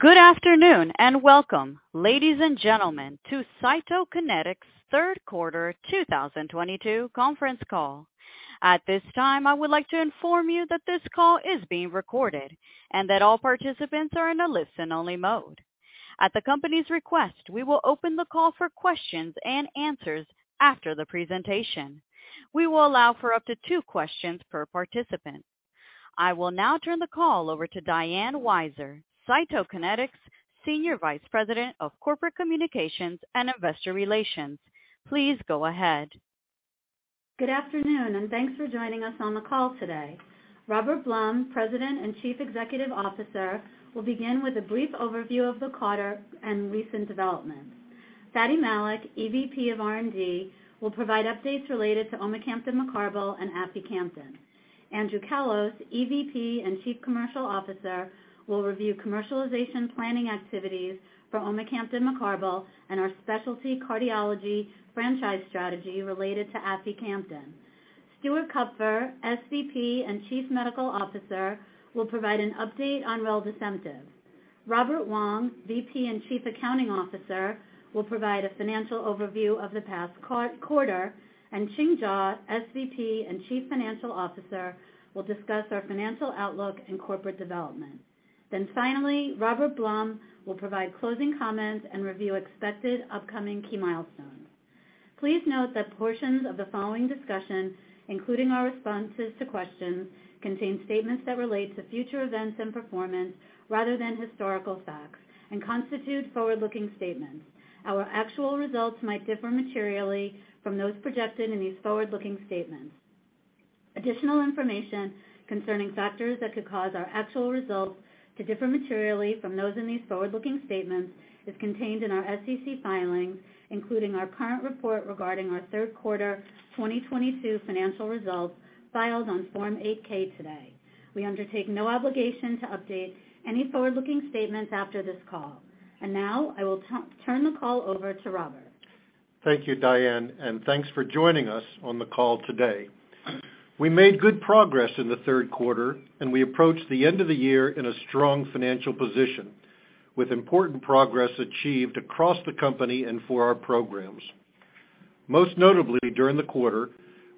Good afternoon, and welcome, ladies and gentlemen, to Cytokinetics' third quarter 2022 conference call. At this time, I would like to inform you that this call is being recorded and that all participants are in a listen-only mode. At the company's request, we will open the call for questions and answers after the presentation. We will allow for up to two questions per participant. I will now turn the call over to Diane Weiser, Cytokinetics' Senior Vice President of Corporate Communications and Investor Relations. Please go ahead. Good afternoon, and thanks for joining us on the call today. Robert Blum, President and Chief Executive Officer, will begin with a brief overview of the quarter and recent developments. Fady Malik, EVP of R&D, will provide updates related to omecamtiv mecarbil and aficamten. Andrew Callos, EVP and Chief Commercial Officer, will review commercialization planning activities for omecamtiv mecarbil and our specialty cardiology franchise strategy related to aficamten. Stuart Kupfer, SVP and Chief Medical Officer, will provide an update on reldesemtiv. Robert Wong, VP and Chief Accounting Officer, will provide a financial overview of the past quarter, and Ching Jaw, SVP and Chief Financial Officer, will discuss our financial outlook and corporate development. Finally, Robert Blum will provide closing comments and review expected upcoming key milestones. Please note that portions of the following discussion, including our responses to questions, contain statements that relate to future events and performance rather than historical facts and constitute forward-looking statements. Our actual results might differ materially from those projected in these forward-looking statements. Additional information concerning factors that could cause our actual results to differ materially from those in these forward-looking statements is contained in our SEC filings, including our current report regarding our third quarter 2022 financial results filed on Form 8-K today. We undertake no obligation to update any forward-looking statements after this call. Now I will turn the call over to Robert. Thank you, Diane, and thanks for joining us on the call today. We made good progress in the third quarter, and we approach the end of the year in a strong financial position, with important progress achieved across the company and for our programs. Most notably during the quarter,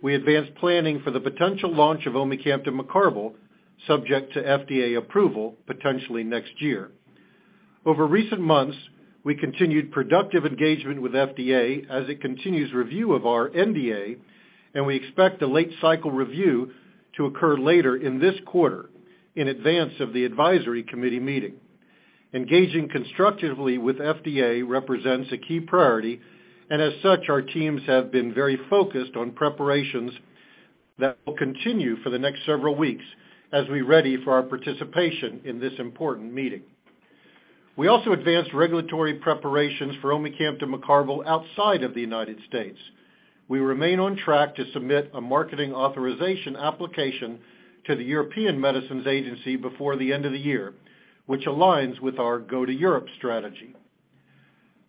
we advanced planning for the potential launch of omecamtiv mecarbil, subject to FDA approval potentially next year. Over recent months, we continued productive engagement with FDA as it continues review of our NDA, and we expect a late cycle review to occur later in this quarter in advance of the Advisory Committee meeting. Engaging constructively with FDA represents a key priority, and as such, our teams have been very focused on preparations that will continue for the next several weeks as we ready for our participation in this important meeting. We also advanced regulatory preparations for omecamtiv mecarbil outside of the United States. We remain on track to submit a marketing authorization application to the European Medicines Agency before the end of the year, which aligns with our Go to Europe strategy.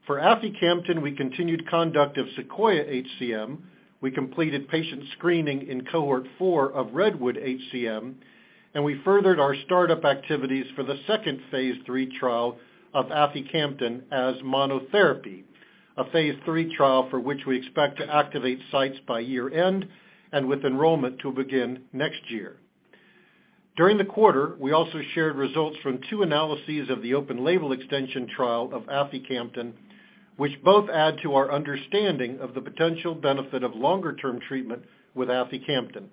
For aficamten, we continued conduct of SEQUOIA-HCM. We completed patient screening in cohort 4 of REDWOOD-HCM, and we furthered our startup activities for the second phase III trial of aficamten as monotherapy, a phase III trial for which we expect to activate sites by year-end and with enrollment to begin next year. During the quarter, we also shared results from two analyses of the open-label extension trial of aficamten, which both add to our understanding of the potential benefit of longer-term treatment with aficamten,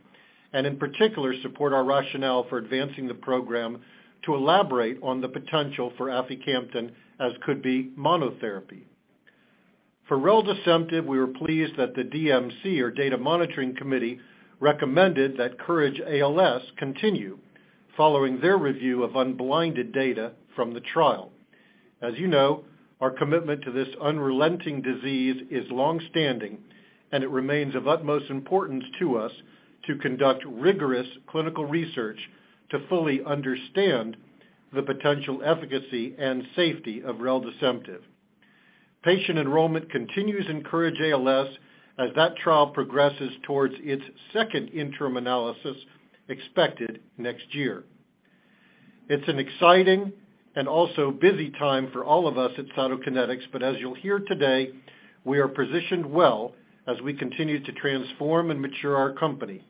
and in particular support our rationale for advancing the program to elaborate on the potential for aficamten as monotherapy. For reldesemtiv, we were pleased that the DMC, or Data Monitoring Committee, recommended that COURAGE-ALS continue following their review of unblinded data from the trial. As you know, our commitment to this unrelenting disease is longstanding, and it remains of utmost importance to us to conduct rigorous clinical research to fully understand the potential efficacy and safety of reldesemtiv. Patient enrollment continues in COURAGE-ALS as that trial progresses towards its second interim analysis expected next year. It's an exciting and also busy time for all of us at Cytokinetics, but as you'll hear today, we are positioned well as we continue to transform and mature our company.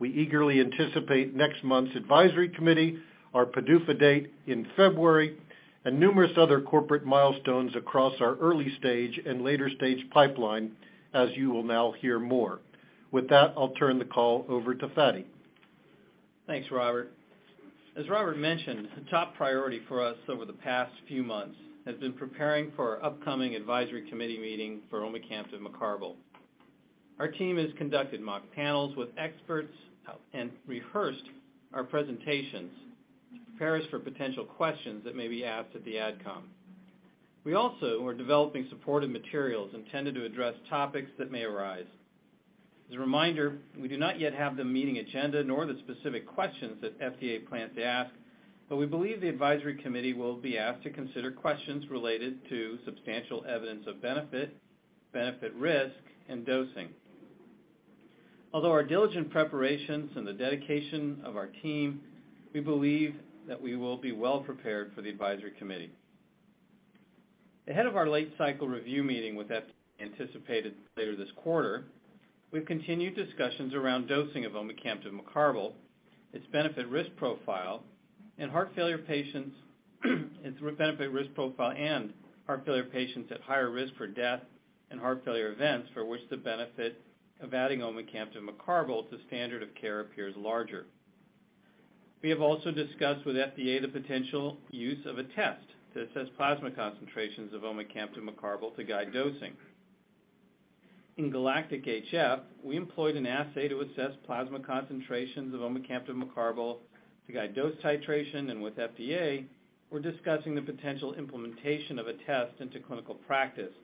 We eagerly anticipate next month's Advisory Committee, our PDUFA date in February, and numerous other corporate milestones across our early stage and later stage pipeline, as you will now hear more. With that, I'll turn the call over to Fady. Thanks, Robert. As Robert mentioned, the top priority for us over the past few months has been preparing for our upcoming Advisory Committee meeting for omecamtiv mecarbil. Our team has conducted mock panels with experts and rehearsed our presentations to prepare us for potential questions that may be asked at the Advisory Committee. We also are developing supportive materials intended to address topics that may arise. As a reminder, we do not yet have the meeting agenda nor the specific questions that FDA plans to ask, but we believe the Advisory Committee will be asked to consider questions related to substantial evidence of benefit risk, and dosing. Although our diligent preparations and the dedication of our team, we believe that we will be well-prepared for the Advisory Committee. Ahead of our late-cycle review meeting with EMA anticipated later this quarter, we've continued discussions around dosing of omecamtiv mecarbil, its benefit-risk profile, and heart failure patients at higher risk for death and heart failure events for which the benefit of adding omecamtiv mecarbil to standard of care appears larger. We have also discussed with FDA the potential use of a test to assess plasma concentrations of omecamtiv mecarbil to guide dosing. In GALACTIC-HF, we employed an assay to assess plasma concentrations of omecamtiv mecarbil to guide dose titration, and with FDA, we're discussing the potential implementation of a test into clinical practice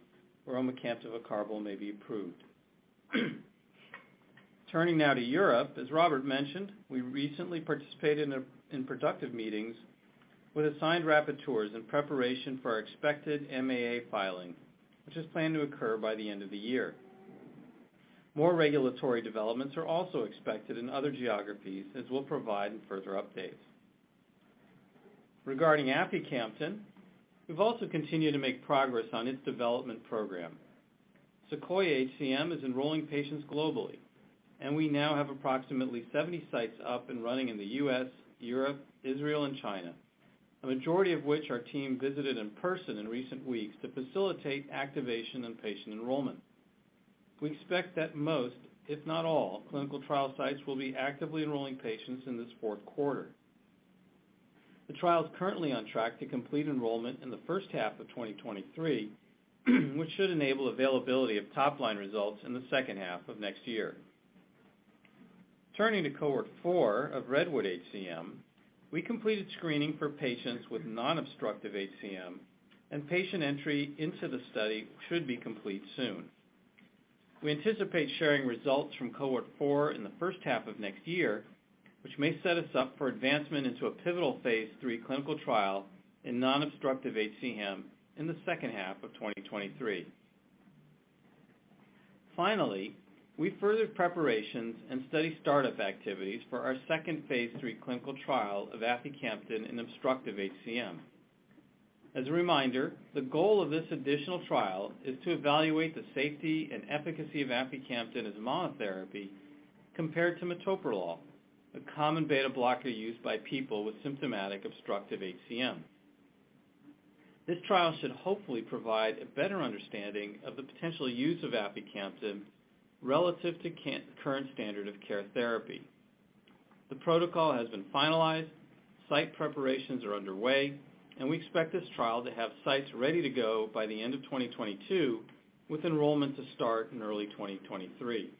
where omecamtiv mecarbil may be approved. Turning now to Europe, as Robert mentioned, we recently participated in productive meetings with assigned rapporteurs in preparation for our expected MAA filing, which is planned to occur by the end of the year. More regulatory developments are also expected in other geographies, as we'll provide in further updates. Regarding aficamten, we've also continued to make progress on its development program. SEQUOIA-HCM is enrolling patients globally, and we now have approximately 70 sites up and running in the U.S., Europe, Israel, and China, a majority of which our team visited in person in recent weeks to facilitate activation and patient enrollment. We expect that most, if not all, clinical trial sites will be actively enrolling patients in this fourth quarter. The trial is currently on track to complete enrollment in the first half of 2023, which should enable availability of top-line results in the second half of next year. Turning to cohort 4 of REDWOOD-HCM, we completed screening for patients with non-obstructive HCM, and patient entry into the study should be complete soon. We anticipate sharing results from cohort 4 in the first half of next year, which may set us up for advancement into a pivotal phase III clinical trial in non-obstructive HCM in the second half of 2023. Finally, we furthered preparations and study startup activities for our second phase III clinical trial of aficamten in obstructive HCM. As a reminder, the goal of this additional trial is to evaluate the safety and efficacy of aficamten as monotherapy compared to metoprolol, a common beta blocker used by people with symptomatic obstructive HCM. This trial should hopefully provide a better understanding of the potential use of aficamten relative to current standard of care therapy. The protocol has been finalized, site preparations are underway, and we expect this trial to have sites ready to go by the end of 2022, with enrollment to start in early 2023.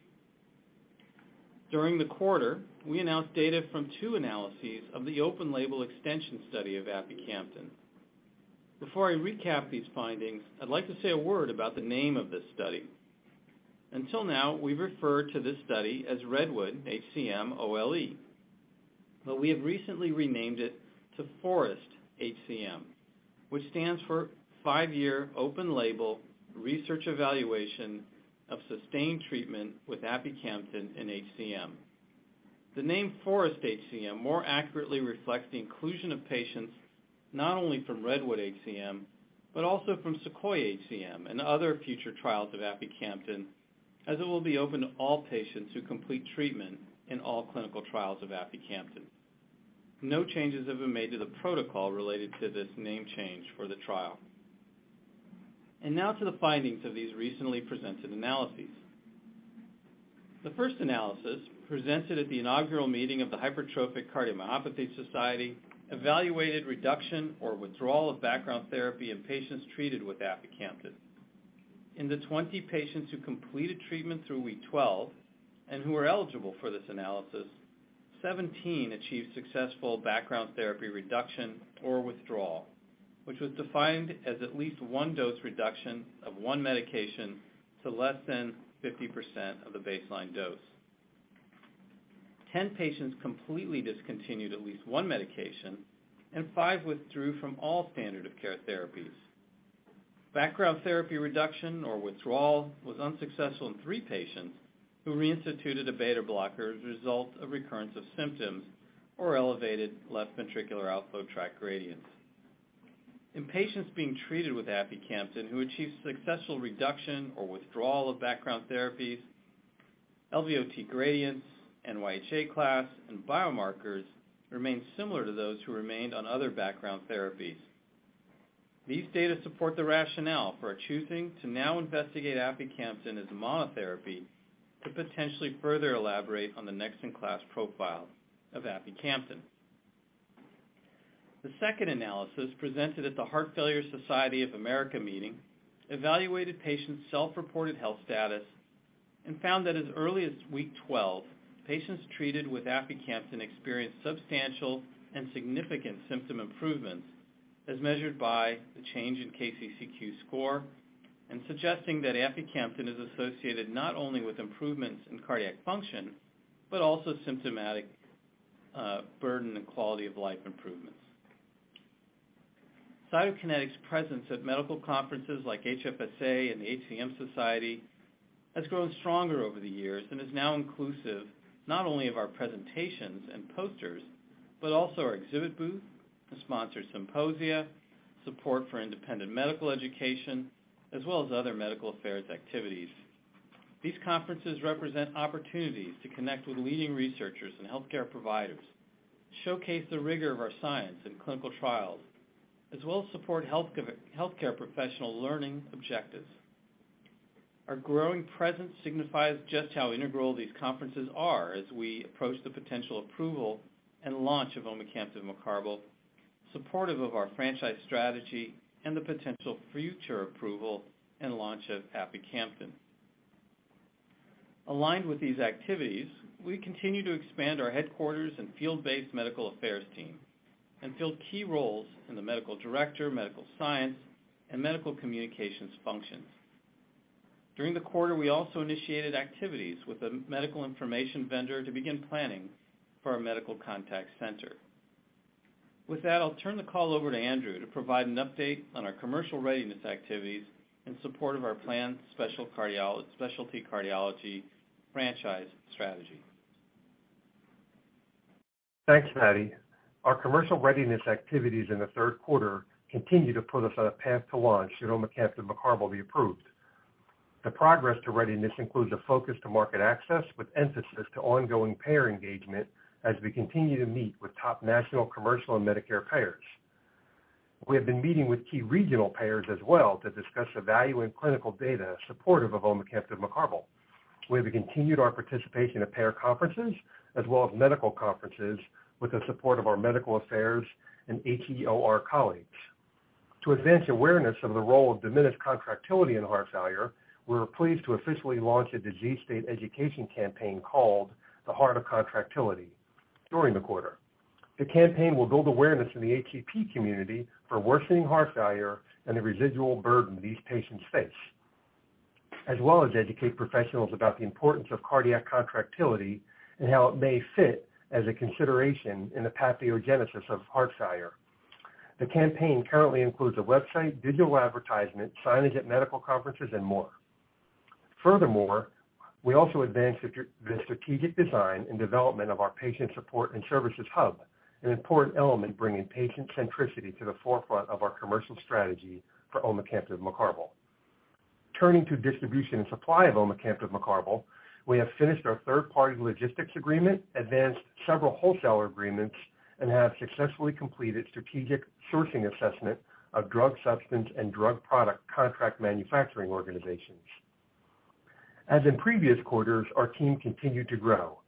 During the quarter, we announced data from two analyses of the open-label extension study of aficamten. Before I recap these findings, I'd like to say a word about the name of this study. Until now, we've referred to this study as REDWOOD-HCM OLE, but we have recently renamed it to FOREST-HCM, which stands for Five-Year Open-Label Research Evaluation of Sustained Treatment with aficamten in HCM. The name FOREST-HCM more accurately reflects the inclusion of patients not only from REDWOOD-HCM, but also from SEQUOIA-HCM and other future trials of aficamten, as it will be open to all patients who complete treatment in all clinical trials of aficamten. No changes have been made to the protocol related to this name change for the trial. Now to the findings of these recently presented analyses. The first analysis presented at the inaugural meeting of the Hypertrophic Cardiomyopathy Society evaluated reduction or withdrawal of background therapy in patients treated with aficamten. In the 20 patients who completed treatment through week 12 and who are eligible for this analysis, 17 achieved successful background therapy reduction or withdrawal, which was defined as at least one dose reduction of one medication to less than 50% of the baseline dose. 10 patients completely discontinued at least one medication, and five withdrew from all standard of care therapies. Background therapy reduction or withdrawal was unsuccessful in three patients who reinstituted a beta blocker as a result of recurrence of symptoms or elevated left ventricular outflow tract gradients. In patients being treated with aficamten who achieved successful reduction or withdrawal of background therapies, LVOT gradients, NYHA classes, and biomarkers remained similar to those who remained on other background therapies. These data support the rationale for our choosing to now investigate aficamten as monotherapy to potentially further elaborate on the next-in-class profile of aficamten. The second analysis presented at the Heart Failure Society of America meeting evaluated patients' self-reported health status and found that as early as week 12, patients treated with aficamten experienced substantial and significant symptom improvements as measured by the change in KCCQ score and suggesting that aficamten is associated not only with improvements in cardiac function, but also symptomatic burden and quality-of-life improvements. Cytokinetics's presence at medical conferences like HFSA and the HCM Society has grown stronger over the years and is now inclusive, not only of our presentations and posters, but also our exhibit booth, the sponsored symposia, support for independent medical education, as well as other medical affairs activities. These conferences represent opportunities to connect with leading researchers and healthcare providers, showcase the rigor of our science and clinical trials, as well as support healthcare professional learning objectives. Our growing presence signifies just how integral these conferences are as we approach the potential approval and launch of omecamtiv mecarbil, supportive of our franchise strategy, and the potential future approval and launch of aficamten. Aligned with these activities, we continue to expand our headquarters and field-based medical affairs team and fill key roles in the medical director, medical science, and medical communications functions. During the quarter, we also initiated activities with a medical information vendor to begin planning for our medical contact center. With that, I'll turn the call over to Andrew to provide an update on our commercial readiness activities in support of our planned specialty cardiology franchise strategy. Thanks, Fady. Our commercial readiness activities in the third quarter continue to put us on a path to launch should omecamtiv mecarbil be approved. The progress to readiness includes a focus on market access, with emphasis on ongoing payer engagement as we continue to meet with top national commercial and Medicare payers. We have been meeting with key regional payers as well to discuss the value and clinical data supportive of omecamtiv mecarbil. We have continued our participation at payer conferences as well as medical conferences with the support of our medical affairs and our colleagues. To advance awareness of the role of diminished contractility in heart failure, we're pleased to officially launch a disease state education campaign called The Heart of Contractility during the quarter. The campaign will build awareness in the HCP community for worsening heart failure and the residual burden these patients face, as well as educate professionals about the importance of cardiac contractility and how it may fit as a consideration in the pathogenesis of heart failure. The campaign currently includes a website, digital advertisement, signage at medical conferences, and more. Furthermore, we also advanced the strategic design and development of our patient support and services hub, an important element bringing patient centricity to the forefront of our commercial strategy for omecamtiv mecarbil. Turning to distribution and supply of omecamtiv mecarbil, we have finished our third-party logistics agreement, advanced several wholesaler agreements, and have successfully completed strategic sourcing assessment of drug substance and drug product contract manufacturing organizations. As in previous quarters, our team continued to grow.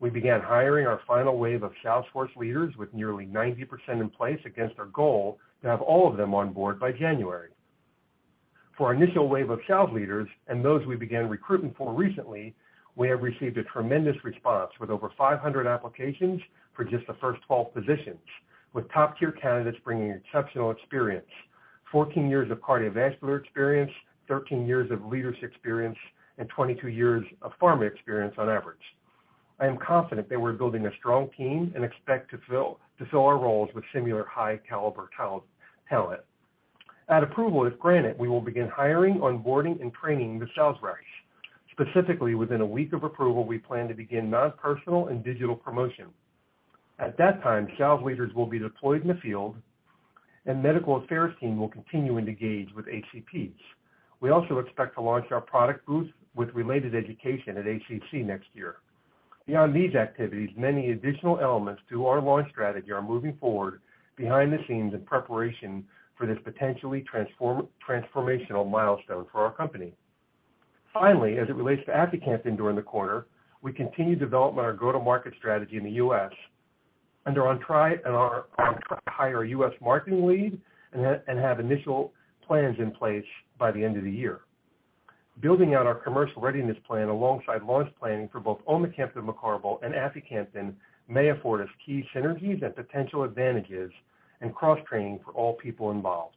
We began hiring our final wave of sales force leaders with nearly 90% in place against our goal to have all of them on board by January. For our initial wave of sales leaders and those we began recruiting for recently, we have received a tremendous response with over 500 applications for just the first 12 positions, with top-tier candidates bringing exceptional experience, 14 years of cardiovascular experience, 13 years of leadership experience, and 22 years of pharma experience on average. I am confident that we're building a strong team and expect to fill our roles with similar high caliber talent. At approval if granted, we will begin hiring, onboarding, and training the sales reps. Specifically, within a week of approval, we plan to begin non-personal and digital promotion. At that time, sales leaders will be deployed in the field and medical affairs team will continue to engage with HCPs. We also expect to launch our product booth with related education at ACC next year. Beyond these activities, many additional elements to our launch strategy are moving forward behind the scenes in preparation for this potentially transformational milestone for our company. Finally, as it relates to aficamten during the quarter, we continue developing our go-to-market strategy in the U.S. and are on track to hire a U.S. marketing lead and have initial plans in place by the end of the year. Building out our commercial readiness plan alongside launch planning for both omecamtiv mecarbil and aficamten may afford us key synergies and potential advantages in cross-training for all people involved.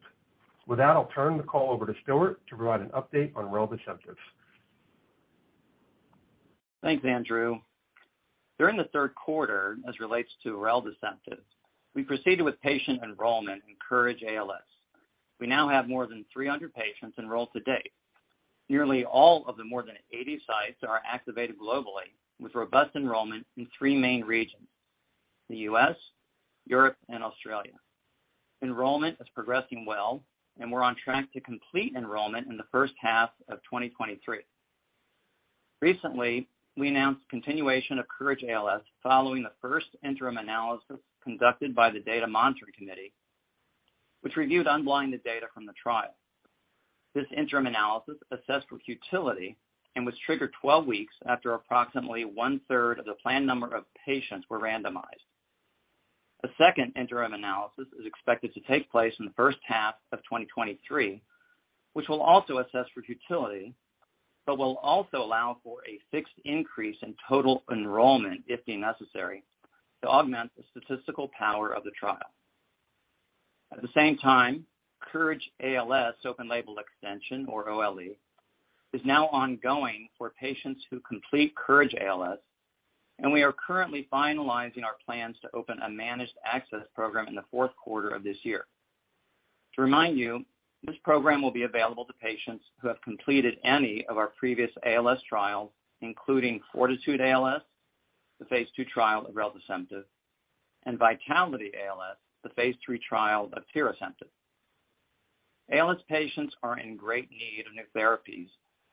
With that, I'll turn the call over to Stuart to provide an update on reldesemtiv. Thanks, Andrew. During the third quarter, as relates to reldesemtiv, we proceeded with patient enrollment in COURAGE-ALS. We now have more than 300 patients enrolled to date. Nearly all of the more than 80 sites are activated globally, with robust enrollment in three main regions, the U.S., Europe, and Australia. Enrollment is progressing well, and we're on track to complete enrollment in the first half of 2023. Recently, we announced continuation of COURAGE-ALS following the first interim analysis conducted by the Data Monitoring Committee, which reviewed unblinded data from the trial. This interim analysis assessed for futility and was triggered 12 weeks after approximately one-third of the planned number of patients were randomized. A second interim analysis is expected to take place in the first half of 2023, which will also assess for futility, but will also allow for a fixed increase in total enrollment if deemed necessary to augment the statistical power of the trial. At the same time, COURAGE-ALS open label extension, or OLE, is now ongoing for patients who complete COURAGE-ALS. We are currently finalizing our plans to open a Managed Access Program in the fourth quarter of this year. To remind you, this program will be available to patients who have completed any of our previous ALS trials, including FORTITUDE-ALS, the phase two trial of reldesemtiv, and VITALITY-ALS, the phase three trial of tirasemtiv. ALS patients are in great need of new therapies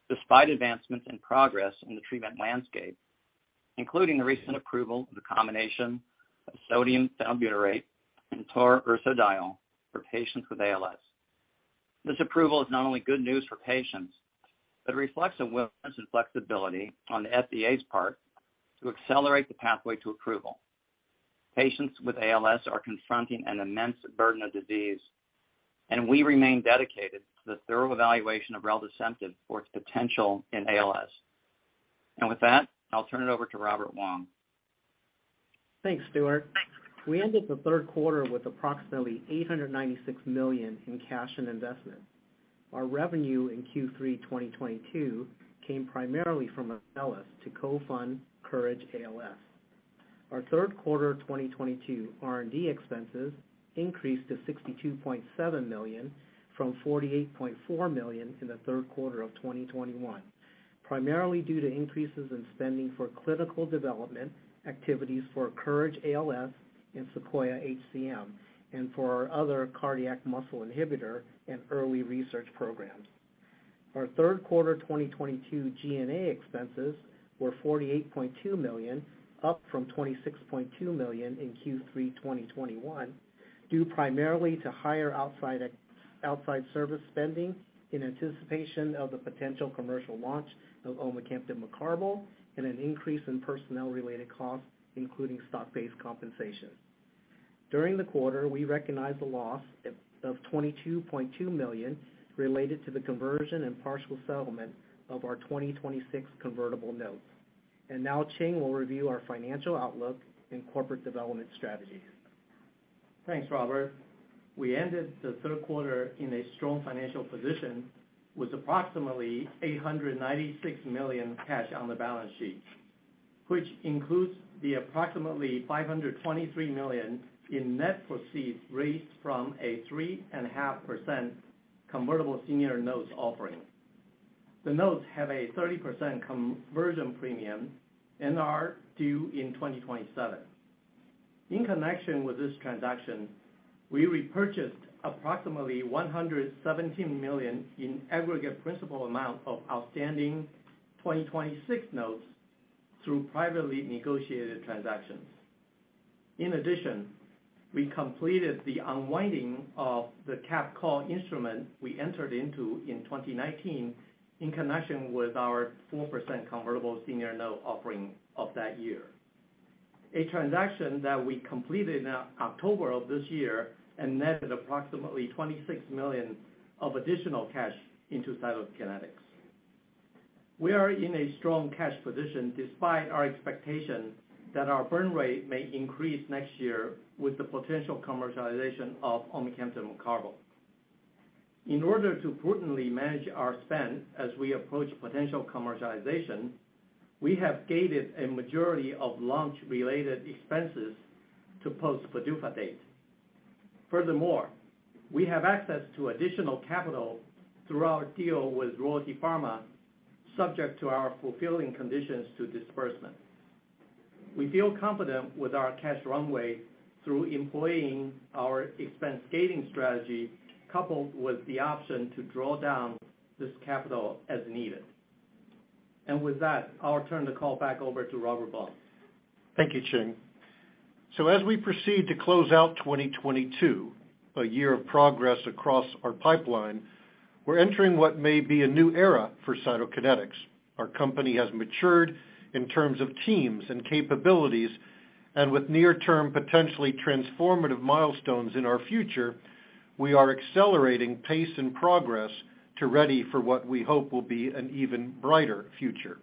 despite advancements and progress in the treatment landscape, including the recent approval of the combination of sodium phenylbutyrate and taurursodiol for patients with ALS. This approval is not only good news for patients, but reflects a willingness and flexibility on the FDA's part to accelerate the pathway to approval. Patients with ALS are confronting an immense burden of disease, and we remain dedicated to the thorough evaluation of reldesemtiv for its potential in ALS. With that, I'll turn it over to Robert Wong. Thanks, Stuart. We ended the third quarter with approximately $896 million in cash and investment. Our revenue in Q3 2022 came primarily from Astellas to co-fund COURAGE-ALS. Our third quarter 2022 R&D expenses increased to $62.7 million from $48.4 million in the third quarter of 2021, primarily due to increases in spending for clinical development activities for COURAGE-ALS and SEQUOIA-HCM, and for our other cardiac myosin inhibitor and early research programs. Our third quarter 2022 G&A expenses were $48.2 million, up from $26.2 million in Q3 2021, due primarily to higher outside service spending in anticipation of the potential commercial launch of omecamtiv mecarbil and an increase in personnel-related costs, including stock-based compensation. During the quarter, we recognized a loss of $22.2 million related to the conversion and partial settlement of our 2026 convertible notes. Now Ching will review our financial outlook and corporate development strategies. Thanks, Robert. We ended the third quarter in a strong financial position with approximately $896 million cash on the balance sheet, which includes the approximately $523 million in net proceeds raised from a 3.5% convertible senior notes offering. The notes have a 30% conversion premium and are due in 2027. In connection with this transaction, we repurchased approximately $117 million in aggregate principal amount of outstanding 2026 notes through privately negotiated transactions. In addition, we completed the unwinding of the capped call instrument we entered into in 2019 in connection with our 4% convertible senior note offering of that year, a transaction that we completed in October of this year and netted approximately $26 million of additional cash into Cytokinetics. We are in a strong cash position despite our expectation that our burn rate may increase next year with the potential commercialization of omecamtiv mecarbil. In order to prudently manage our spend as we approach potential commercialization, we have gated a majority of launch-related expenses to post PDUFA date. Furthermore, we have access to additional capital through our deal with Royalty Pharma, subject to our fulfilling conditions to disbursement. We feel confident with our cash runway through employing our expense gating strategy coupled with the option to draw down this capital as needed. With that, I'll turn the call back over to Robert Blum. Thank you, Ching. As we proceed to close out 2022, a year of progress across our pipeline, we're entering what may be a new era for Cytokinetics. Our company has matured in terms of teams and capabilities, and with near-term potentially transformative milestones in our future, we are accelerating pace and progress to ready for what we hope will be an even brighter future.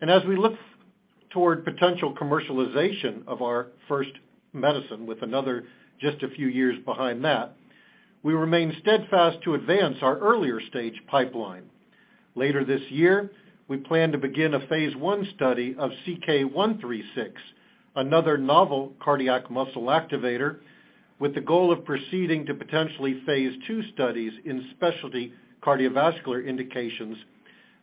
As we look toward potential commercialization of our first medicine with another just a few years behind that, we remain steadfast to advance our earlier stage pipeline. Later this year, we plan to begin a phase I study of CK-136, another novel cardiac muscle activator, with the goal of proceeding to potentially phase II studies in specialty cardiovascular indications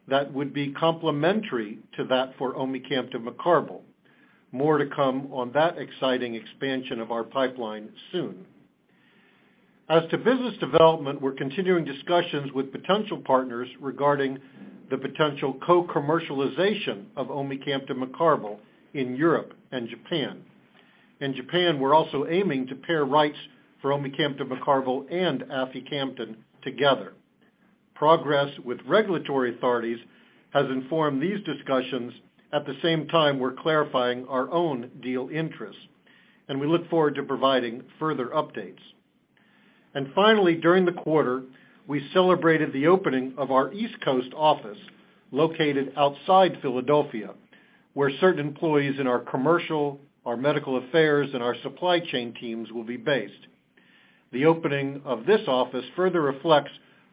that would be complementary to that for omecamtiv mecarbil. More to come on that exciting expansion of our pipeline soon. As to business development, we're continuing discussions with potential partners regarding the potential co-commercialization of omecamtiv mecarbil in Europe and Japan. In Japan, we're also aiming to pair rights for omecamtiv mecarbil and aficamten together. Progress with regulatory authorities has informed these discussions. At the same time, we're clarifying our own deal interests, and we look forward to providing further updates. Finally, during the quarter, we celebrated the opening of our East Coast office located outside Philadelphia, where certain employees in our commercial, our medical affairs, and our supply chain teams will be based. The opening of this office further reflects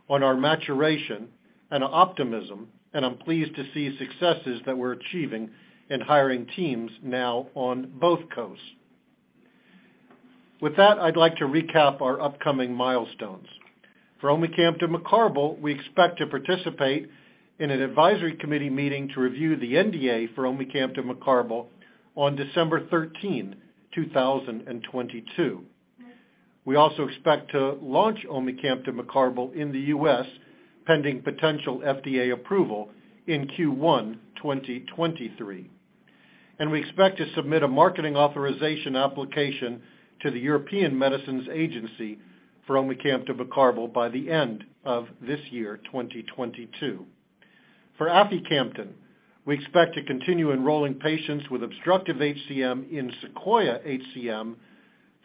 on our maturation and optimism, and I'm pleased to see successes that we're achieving in hiring teams now on both coasts. With that, I'd like to recap our upcoming milestones. For omecamtiv mecarbil, we expect to participate in an Advisory Committee meeting to review the NDA for omecamtiv mecarbil on December 13, 2022. We also expect to launch omecamtiv mecarbil in the U.S. pending potential FDA approval in Q1 2023. We expect to submit a marketing authorization application to the European Medicines Agency for omecamtiv mecarbil by the end of this year, 2022. For aficamten, we expect to continue enrolling patients with obstructive HCM in SEQUOIA-HCM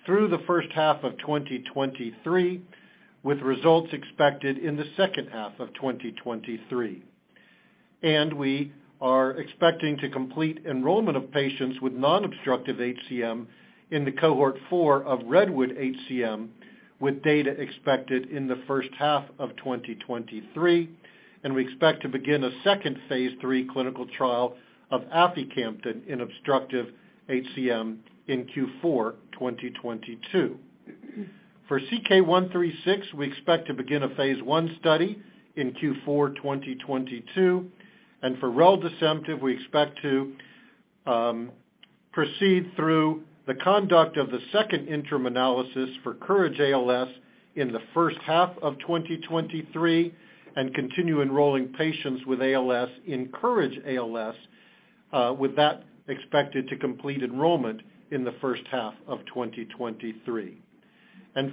through the first half of 2023, with results expected in the second half of 2023. We are expecting to complete enrollment of patients with non-obstructive HCM in cohort 4 of REDWOOD-HCM, with data expected in the first half of 2023. We expect to begin a second phase III clinical trial of aficamten in obstructive HCM in Q4 2022. For CK-136, we expect to begin a phase I study in Q4 2022. For reldesemtiv, we expect to proceed through the conduct of the second interim analysis for COURAGE-ALS in the first half of 2023 and continue enrolling patients with ALS in COURAGE-ALS, with that expected to complete enrollment in the first half of 2023.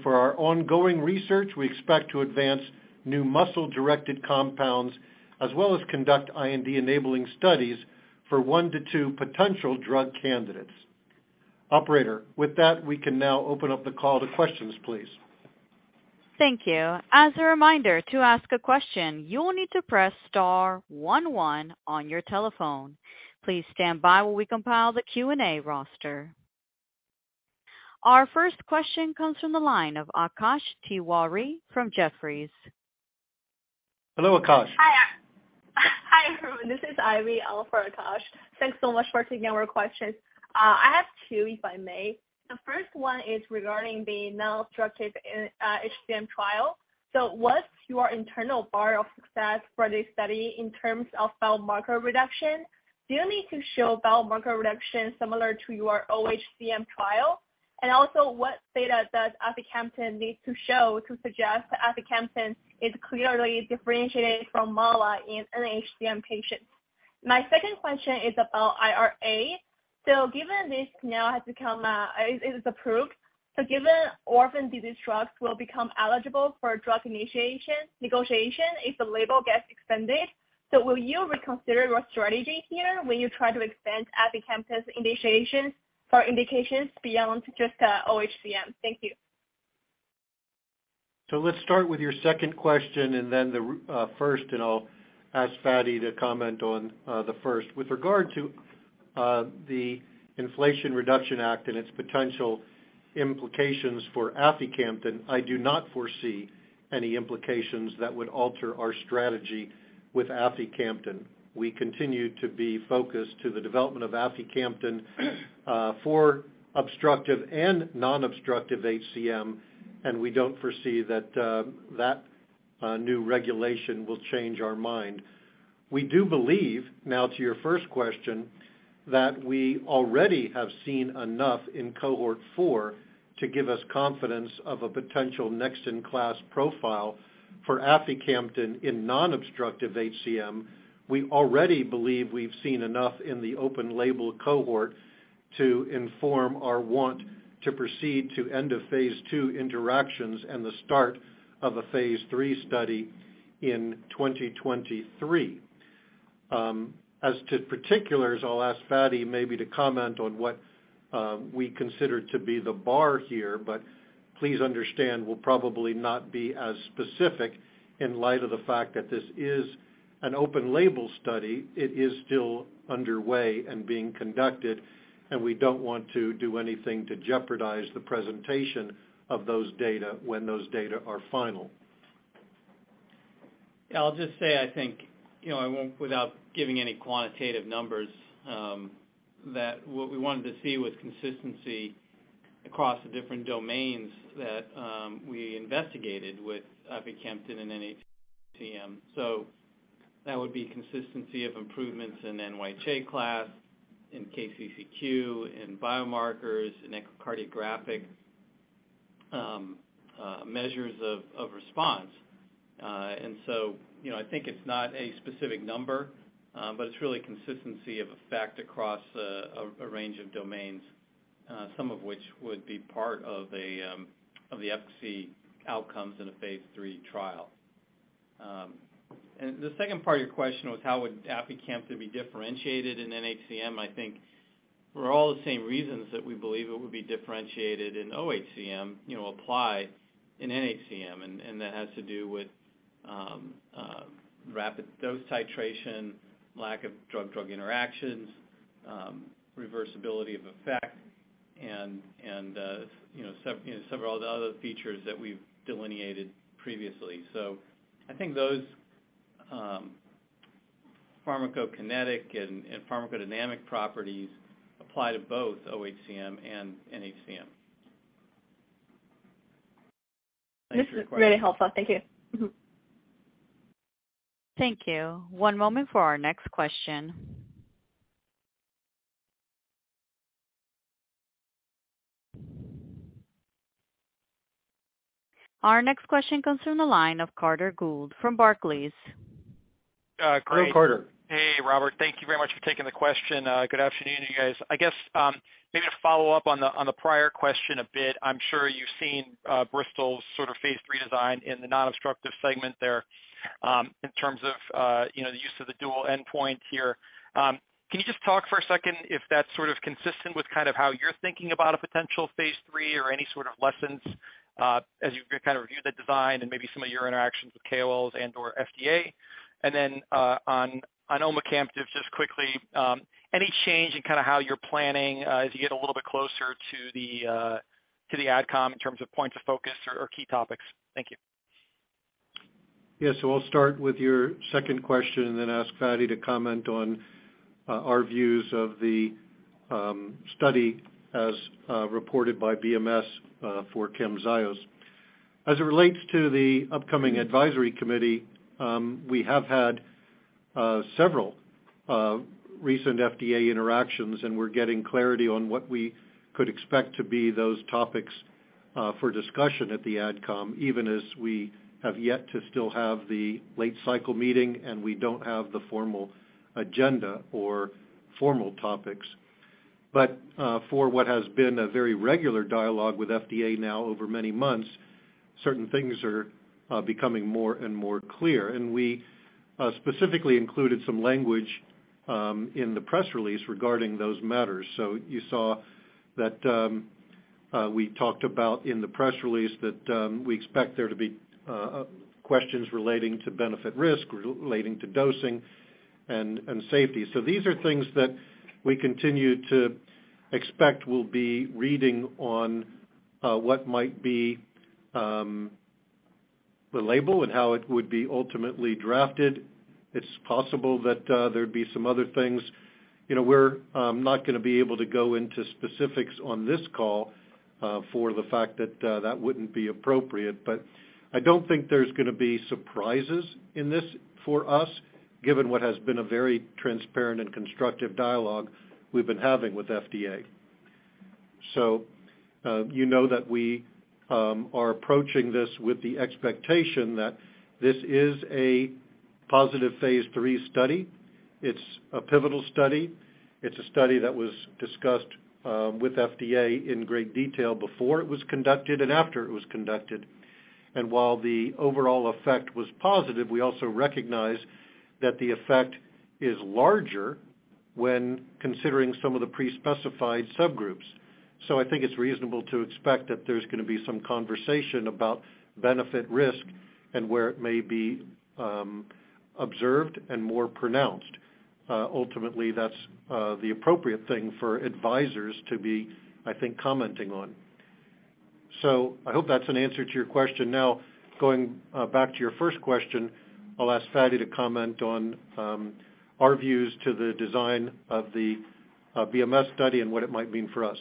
For our ongoing research, we expect to advance new muscle-directed compounds as well as conduct IND-enabling studies for 1-2 potential drug candidates. Operator, with that, we can now open up the call to questions, please. Thank you. As a reminder, to ask a question, you will need to press star one one on your telephone. Please stand by while we compile the Q&A roster. Our first question comes from the line of Akash Tewari from Jefferies. Hello, Akash. Hi. Hi, everyone. This is Ivy, on for Akash. Thanks so much for taking our questions. I have two, if I may. The first one is regarding the non-obstructive HCM trial. What's your internal bar of success for this study in terms of biomarker reduction? Do you need to show biomarker reduction similar to your OHCM trial? And also, what data does aficamten need to show to suggest aficamten is clearly differentiated from mavacamten in NHCM patients? My second question is about IRA. Given this now has become, it is approved, given orphan disease drugs will become eligible for drug price negotiation if the label gets extended, will you reconsider your strategy here when you try to expand aficamten's indication for indications beyond just OHCM? Thank you. Let's start with your second question and then the first, and I'll ask Fady to comment on the first. With regard to the Inflation Reduction Act and its potential implications for aficamten, I do not foresee any implications that would alter our strategy with aficamten. We continue to be focused on the development of aficamten for obstructive and non-obstructive HCM, and we don't foresee that new regulation will change our mind. We do believe, now to your first question, that we already have seen enough in cohort 4 to give us confidence of a potential next-in-class profile for aficamten in non-obstructive HCM. We already believe we've seen enough in the open-label cohort to inform our want to proceed to end-of-phase II interactions and the start of a phase III study in 2023. As to particulars, I'll ask Fady maybe to comment on what we consider to be the bar here. Please understand we'll probably not be as specific in light of the fact that this is an open label study. It is still underway and being conducted, and we don't want to do anything to jeopardize the presentation of those data when those data are final. Yeah, I'll just say I think, you know, without giving any quantitative numbers, that what we wanted to see was consistency across the different domains that we investigated with aficamten in NHCM. That would be consistency of improvements in NYHA class, in KCCQ, in biomarkers, in echocardiographic measures of response. You know, I think it's not a specific number, but it's really consistency of effect across a range of domains, some of which would be part of the efficacy outcomes in a phase III trial. The second part of your question was how would aficamten be differentiated in NHCM? I think for all the same reasons that we believe it would be differentiated in OHCM, you know, apply in NHCM. That has to do with rapid dose titration, lack of drug-drug interactions, reversibility of effect and you know, several other features that we've delineated previously. I think those pharmacokinetic and pharmacodynamic properties apply to both OHCM and NHCM. This is really helpful. Thank you. Thank you. One moment for our next question. Our next question comes from the line of Carter Gould from Barclays. Great. Go, Carter. Hey, Robert. Thank you very much for taking the question. Good afternoon, you guys. I guess maybe to follow up on the prior question a bit. I'm sure you've seen Bristol's sort of phase III design in the non-obstructive segment there in terms of you know the use of the dual endpoint here. Can you just talk for a second if that's sort of consistent with kind of how you're thinking about a potential phase III or any sort of lessons as you kind of review the design and maybe some of your interactions with KOLs and/or FDA? And then on omecamtiv just quickly any change in kind of how you're planning as you get a little bit closer to the adcom in terms of points of focus or key topics? Thank you. Yes. I'll start with your second question and then ask Fady to comment on our views of the study as reported by BMS for Camzyos. As it relates to the upcoming Advisory Committee, we have had several recent FDA interactions, and we're getting clarity on what we could expect to be those topics for discussion at the adcom, even as we have yet to still have the late cycle meeting, and we don't have the formal agenda or formal topics. For what has been a very regular dialogue with FDA now over many months, certain things are becoming more and more clear. We specifically included some language in the press release regarding those matters. You saw that we talked about in the press release that we expect there to be questions relating to benefit risk, relating to dosing and safety. These are things that we continue to expect will be bearing on what might be the label and how it would be ultimately drafted. It's possible that there'd be some other things. You know, we're not gonna be able to go into specifics on this call for the fact that that wouldn't be appropriate. I don't think there's gonna be surprises in this for us, given what has been a very transparent and constructive dialogue we've been having with FDA. You know that we are approaching this with the expectation that this is a positive phase III study. It's a pivotal study. It's a study that was discussed with FDA in great detail before it was conducted and after it was conducted. While the overall effect was positive, we also recognize that the effect is larger when considering some of the pre-specified subgroups. I think it's reasonable to expect that there's gonna be some conversation about benefit risk and where it may be observed and more pronounced. Ultimately, that's the appropriate thing for advisors to be, I think, commenting on. I hope that's an answer to your question. Now, going back to your first question, I'll ask Fady to comment on our views to the design of the BMS study and what it might mean for us.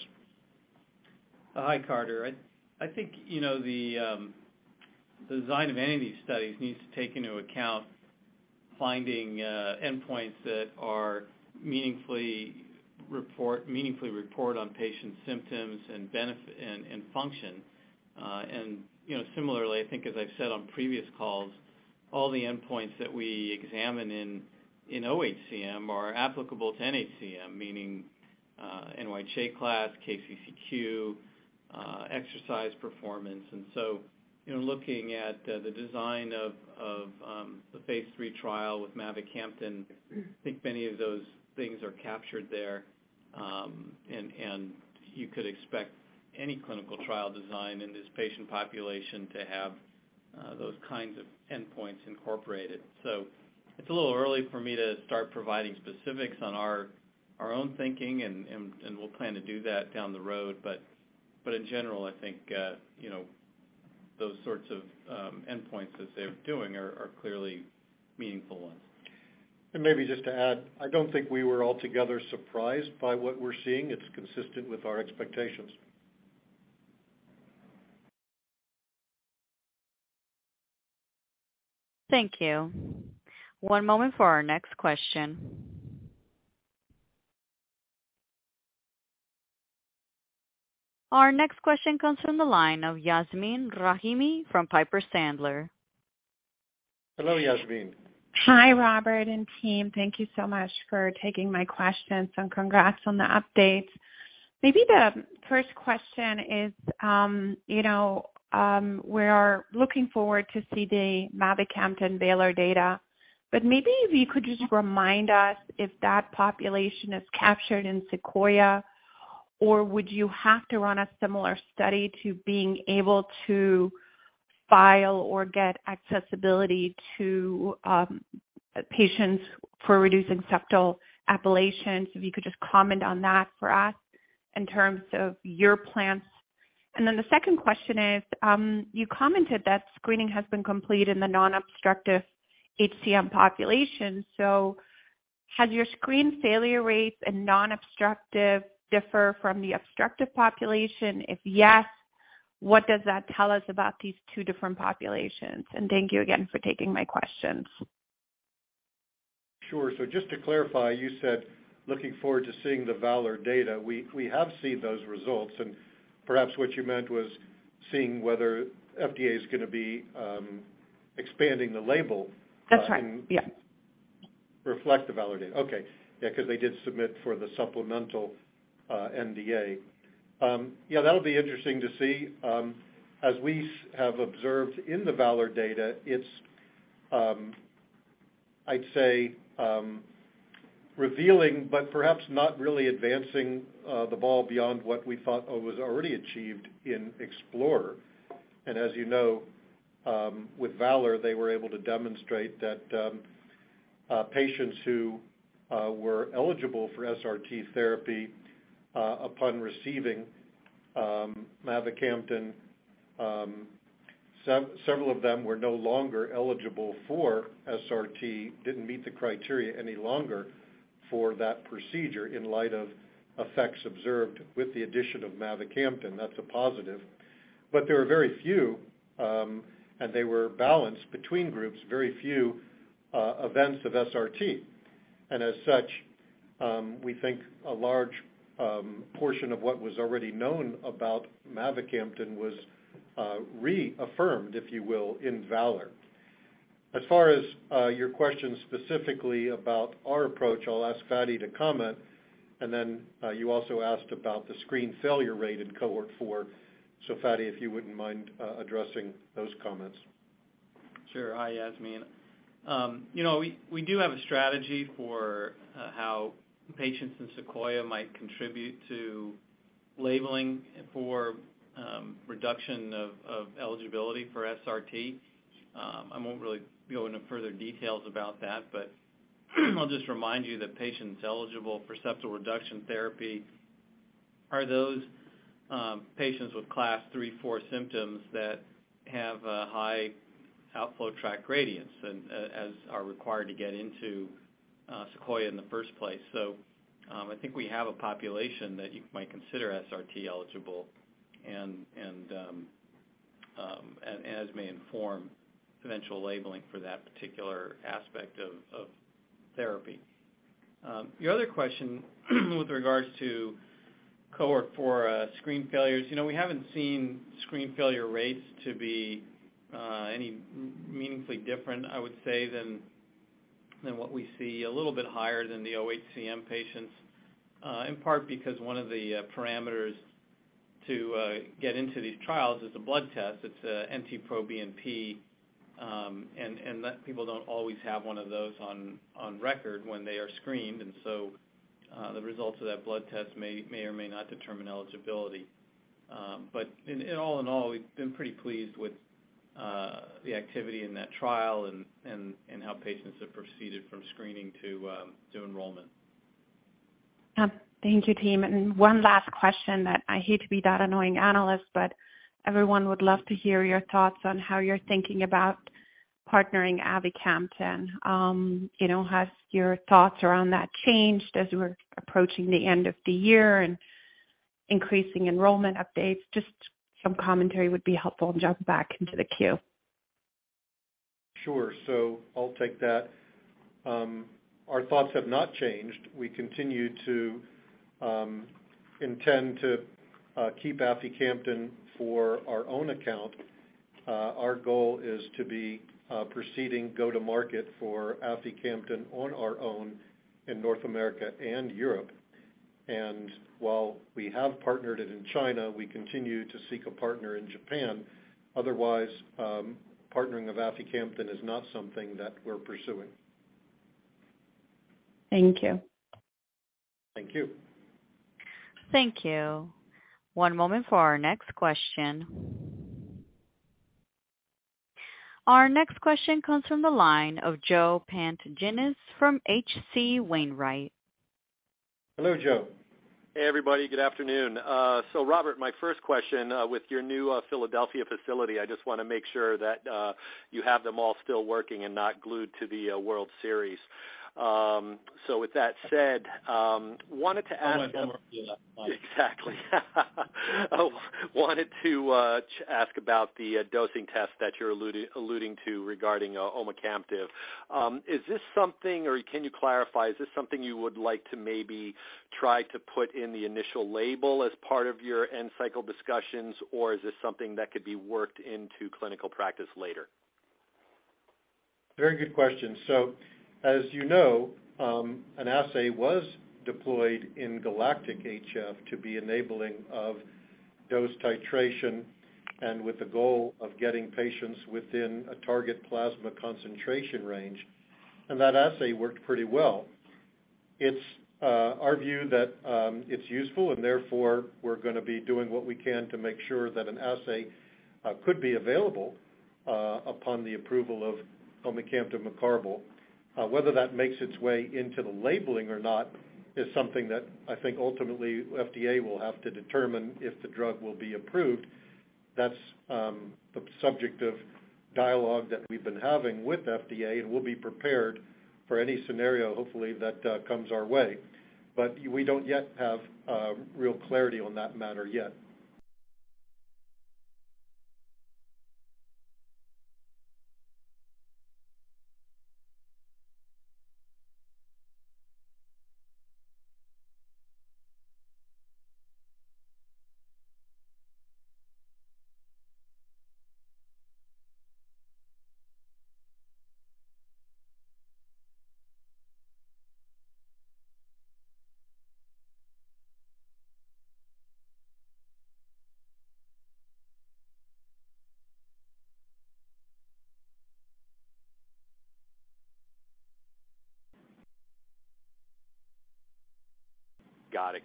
Hi, Carter. I think you know the design of any of these studies needs to take into account finding endpoints that are meaningfully report on patient symptoms and benefit and function. You know, similarly, I think as I've said on previous calls, all the endpoints that we examine in OHCM are applicable to NHCM, meaning NYHA class, KCCQ, exercise performance. You know, looking at the design of the phase III trial with mavacamten, I think many of those things are captured there. You could expect any clinical trial design in this patient population to have those kinds of endpoints incorporated. It's a little early for me to start providing specifics on our own thinking, and we'll plan to do that down the road. In general, I think, you know, those sorts of endpoints as they're doing are clearly meaningful ones. Maybe just to add, I don't think we were altogether surprised by what we're seeing. It's consistent with our expectations. Thank you. One moment for our next question. Our next question comes from the line of Yasmeen Rahimi from Piper Sandler. Hello, Yasmin. Hi, Robert and team. Thank you so much for taking my questions, and congrats on the updates. Maybe the first question is, you know, we are looking forward to see the mavacamten VALOR data, but maybe if you could just remind us if that population is captured in SEQUOIA-HCM. Or would you have to run a similar study to be able to file or get access to patients for reducing septal ablations? If you could just comment on that for us in terms of your plans. The second question is, you commented that screening has been complete in the non-obstructive HCM population. So have your screen failure rates in non-obstructive differ from the obstructive population? If yes, what does that tell us about these two different populations? Thank you again for taking my questions. Sure. Just to clarify, you said looking forward to seeing the VALOR-HCM data. We have seen those results, and perhaps what you meant was seeing whether FDA is gonna be expanding the label. That's right. Yeah. Reflect the VALOR-HCM data. Okay. Yeah, 'cause they did submit for the supplemental NDA. Yeah, that'll be interesting to see. As we have observed in the VALOR-HCM data, it's, I'd say, revealing, but perhaps not really advancing the ball beyond what we thought was already achieved in EXPLORER-HCM. As you know, with VALOR-HCM, they were able to demonstrate that patients who were eligible for SRT therapy, upon receiving mavacamten, several of them were no longer eligible for SRT, didn't meet the criteria any longer for that procedure in light of effects observed with the addition of mavacamten. That's a positive. There are very few, and they were balanced between groups, very few events of SRT. As such, we think a large portion of what was already known about mavacamten was reaffirmed, if you will, in VALOR-HCM. As far as your question specifically about our approach, I'll ask Fady to comment. You also asked about the screen failure rate in cohort four. Fady, if you wouldn't mind addressing those comments. Sure. Hi, Yasmeen. You know, we do have a strategy for how patients in SEQUOIA might contribute to labeling for reduction of eligibility for SRT. I won't really go into further details about that, but I'll just remind you that patients eligible for septal reduction therapy are those patients with class 3, 4 symptoms that have a high outflow tract gradients and that are required to get into SEQUOIA in the first place. I think we have a population that you might consider SRT eligible and that may inform potential labeling for that particular aspect of therapy. Your other question with regards to Cohort 4 screen failures. You know, we haven't seen screen failure rates to be any meaningfully different, I would say, than what we see a little bit higher than the OHCM patients, in part because one of the parameters to get into these trials is a blood test. It's NT-proBNP, and that people don't always have one of those on record when they are screened. The results of that blood test may or may not determine eligibility. In all, we've been pretty pleased with the activity in that trial and how patients have proceeded from screening to enrollment. Thank you, team. One last question that I hate to be that annoying analyst, but everyone would love to hear your thoughts on how you're thinking about partnering aficamten. You know, has your thoughts around that changed as we're approaching the end of the year and increasing enrollment updates? Just some commentary would be helpful. Jump back into the queue. Sure. So I'll take that. Our thoughts have not changed. We continue to intend to keep aficamten for our own account. Our goal is to be proceeding to go to market for aficamten on our own in North America and Europe. While we have partnered it in China, we continue to seek a partner in Japan. Otherwise, partnering of aficamten is not something that we're pursuing. Thank you. Thank you. Thank you. One moment for our next question. Our next question comes from the line of Joe Pantginis from H.C. Wainwright. Hello, Joe. Hey, everybody. Good afternoon. Robert, my first question, with your new Philadelphia facility, I just wanna make sure that you have them all still working and not glued to the World Series. With that said, wanted to ask. Exactly. Wanted to ask about the dosing test that you're alluding to regarding omecamtiv. Is this something or can you clarify, is this something you would like to maybe try to put in the initial label as part of your end cycle discussions, or is this something that could be worked into clinical practice later? Very good question. As you know, an assay was deployed in GALACTIC-HF to be enabling of dose titration and with the goal of getting patients within a target plasma concentration range. That assay worked pretty well. It's our view that it's useful, and therefore, we're gonna be doing what we can to make sure that an assay could be available upon the approval of omecamtiv mecarbil. Whether that makes its way into the labeling or not is something that I think ultimately FDA will have to determine if the drug will be approved. That's the subject of dialogue that we've been having with FDA, and we'll be prepared for any scenario, hopefully, that comes our way. We don't yet have real clarity on that matter yet.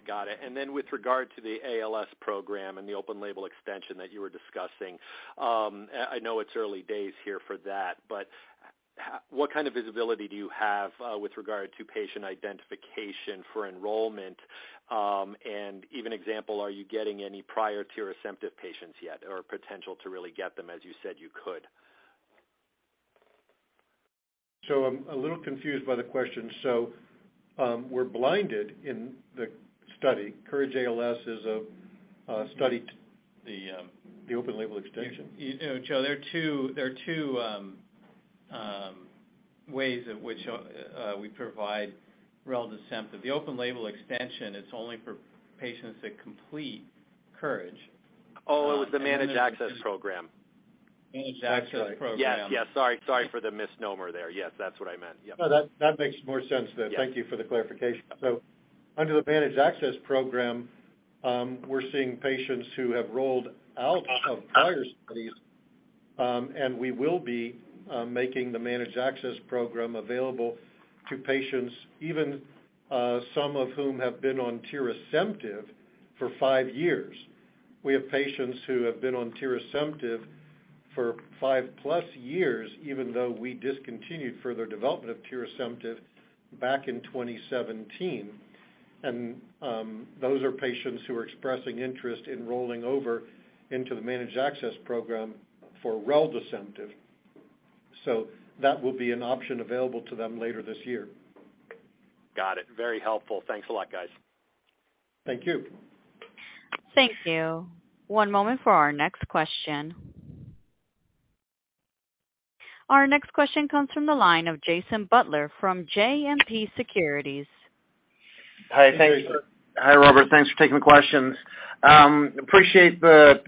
Got it. With regard to the ALS program and the open-label extension that you were discussing, I know it's early days here for that, but what kind of visibility do you have with regard to patient identification for enrollment? For example, are you getting any prior tirasemtiv patients yet or potential to really get them as you said you could? I'm a little confused by the question. We're blinded in the study. COURAGE-ALS is a study, the open-label extension. You know, Joe, there are two ways in which we provide reldesemtiv. The open label extension, it's only for patients that complete COURAGE-ALS. Oh, it was the Managed Access Program. Managed Access Program. Yes. Sorry for the misnomer there. Yes, that's what I meant. Yep. No, that makes more sense than. Yes. Thank you for the clarification. Under the Managed Access Program, we're seeing patients who have rolled out of prior studies, and we will be making the Managed Access Program available to patients, even some of whom have been on tirasemtiv for five years. We have patients who have been on tirasemtiv for five-plus years, even though we discontinued further development of tirasemtiv back in 2017. Those are patients who are expressing interest in rolling over into the Managed Access Program for reldesemtiv. That will be an option available to them later this year. Got it. Very helpful. Thanks a lot, guys. Thank you. Thank you. One moment for our next question. Our next question comes from the line of Jason Butler from JMP Securities. Hi. Thanks. Hey, Jason. Hi, Robert. Thanks for taking the questions. Appreciate the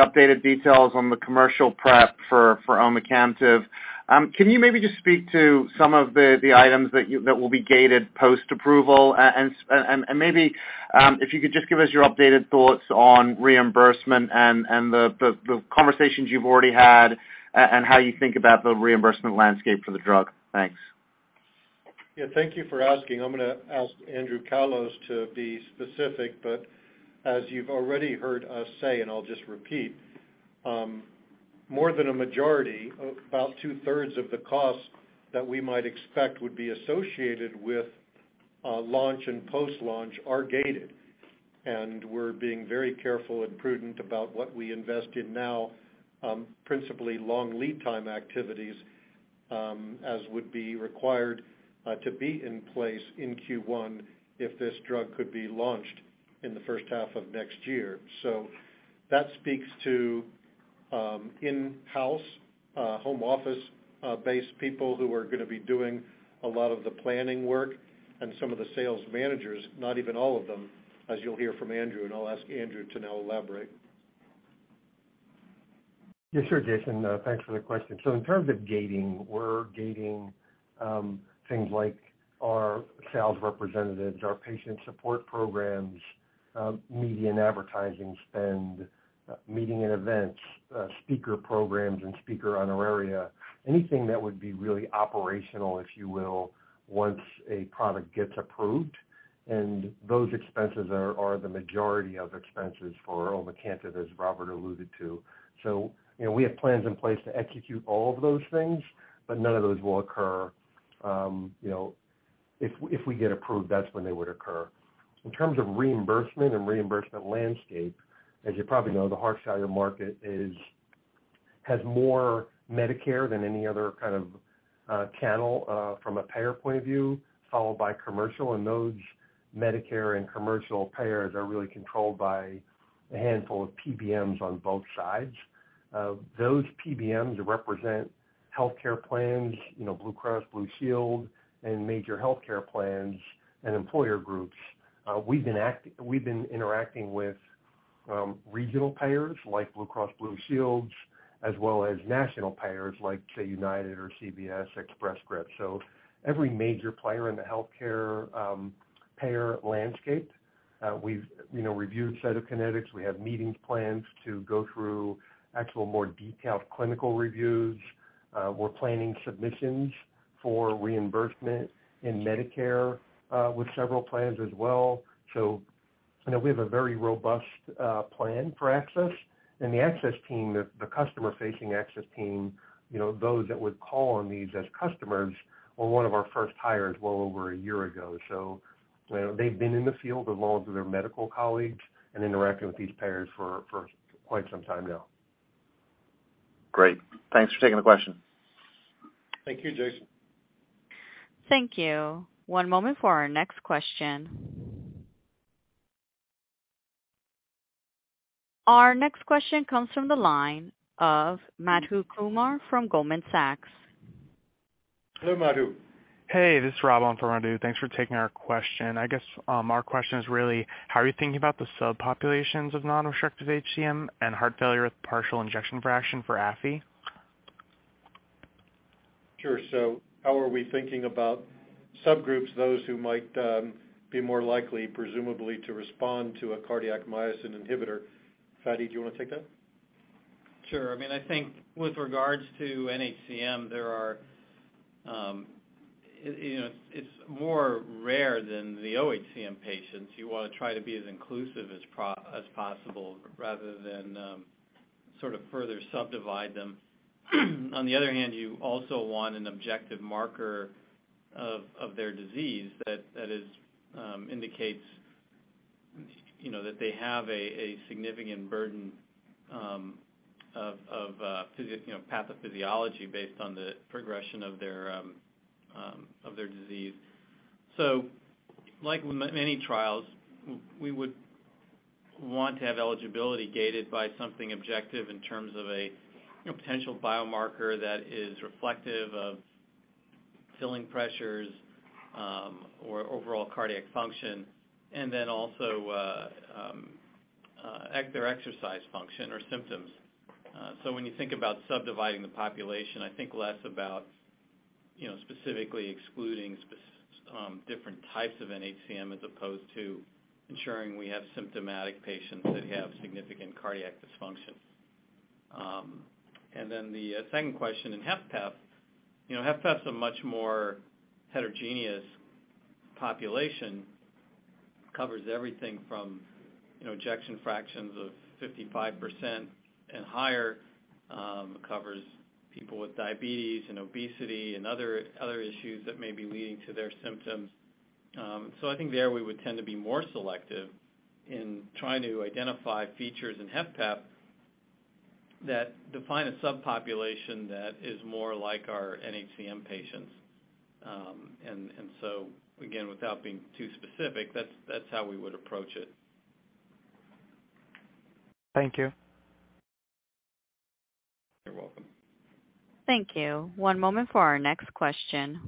updated details on the commercial prep for omecamtiv. Can you maybe just speak to some of the items that will be gated post-approval? Maybe if you could just give us your updated thoughts on reimbursement and the conversations you've already had and how you think about the reimbursement landscape for the drug. Thanks. Yeah, thank you for asking. I'm gonna ask Andrew Callos to be specific. As you've already heard us say, and I'll just repeat, more than a majority, about two-thirds of the cost that we might expect would be associated with launch and post-launch are gated. We're being very careful and prudent about what we invest in now, principally long lead time activities, as would be required to be in place in Q1 if this drug could be launched in the first half of next year. That speaks to in-house, home office based people who are gonna be doing a lot of the planning work and some of the sales managers, not even all of them, as you'll hear from Andrew. I'll ask Andrew to now elaborate. Yeah, sure, Jason. Thanks for the question. In terms of gating, we're gating things like our sales representatives, our patient support programs, media and advertising spend, meeting and events, speaker programs and speaker honoraria, anything that would be really operational, if you will, once a product gets approved. Those expenses are the majority of expenses for omecamtiv, as Robert alluded to. You know, we have plans in place to execute all of those things, but none of those will occur, you know, if we get approved, that's when they would occur. In terms of reimbursement landscape, as you probably know, the heart failure market has more Medicare than any other kind of channel from a payer point of view, followed by commercial. Those Medicare and commercial payers are really controlled by a handful of PBMs on both sides. Those PBMs represent healthcare plans, you know, Blue Cross Blue Shield and major healthcare plans and employer groups. We've been interacting with regional payers like Blue Cross Blue Shield as well as national payers like say, UnitedHealthcare or CVS Health, Express Scripts. Every major player in the healthcare payer landscape, we've, you know, reviewed Cytokinetics. We have meetings planned to go through actual more detailed clinical reviews. We're planning submissions for reimbursement in Medicare with several plans as well. You know, we have a very robust plan for access. The access team, the customer-facing access team, you know, those that would call on these as customers, were one of our first hires well over a year ago. You know, they've been in the field as well as their medical colleagues and interacting with these payers for quite some time now. Great. Thanks for taking the question. Thank you, Jason. Thank you. One moment for our next question. Our next question comes from the line of Madhu Kumar from Goldman Sachs. Hello, Madhu. Hey, this is Rob on for Madhu. Thanks for taking our question. I guess our question is really how are you thinking about the subpopulations of non-obstructive HCM and heart failure with preserved ejection fraction for aficamten? Sure. How are we thinking about subgroups, those who might be more likely presumably to respond to a cardiac myosin inhibitor? Fady, do you wanna take that? Sure. I mean, I think with regards to NHCM, there are, you know, it's more rare than the OHCM patients. You wanna try to be as inclusive as possible rather than, sort of further subdivide them. On the other hand, you also want an objective marker of their disease that is indicates, you know, that they have a significant burden of pathophysiology based on the progression of their disease. Like with many trials, we would want to have eligibility gated by something objective in terms of a, you know, potential biomarker that is reflective of filling pressures or overall cardiac function, and then also their exercise function or symptoms. When you think about subdividing the population, I think less about, you know, specifically excluding different types of NHCM as opposed to ensuring we have symptomatic patients that have significant cardiac dysfunction. The second question in HFpEF. You know, HFpEF's a much more heterogeneous population. It covers everything from, you know, ejection fractions of 55% and higher. It covers people with diabetes and obesity and other issues that may be leading to their symptoms. I think there we would tend to be more selective in trying to identify features in HFpEF that define a subpopulation that is more like our NHCM patients. Again, without being too specific, that's how we would approach it. Thank you. You're welcome. Thank you. One moment for our next question.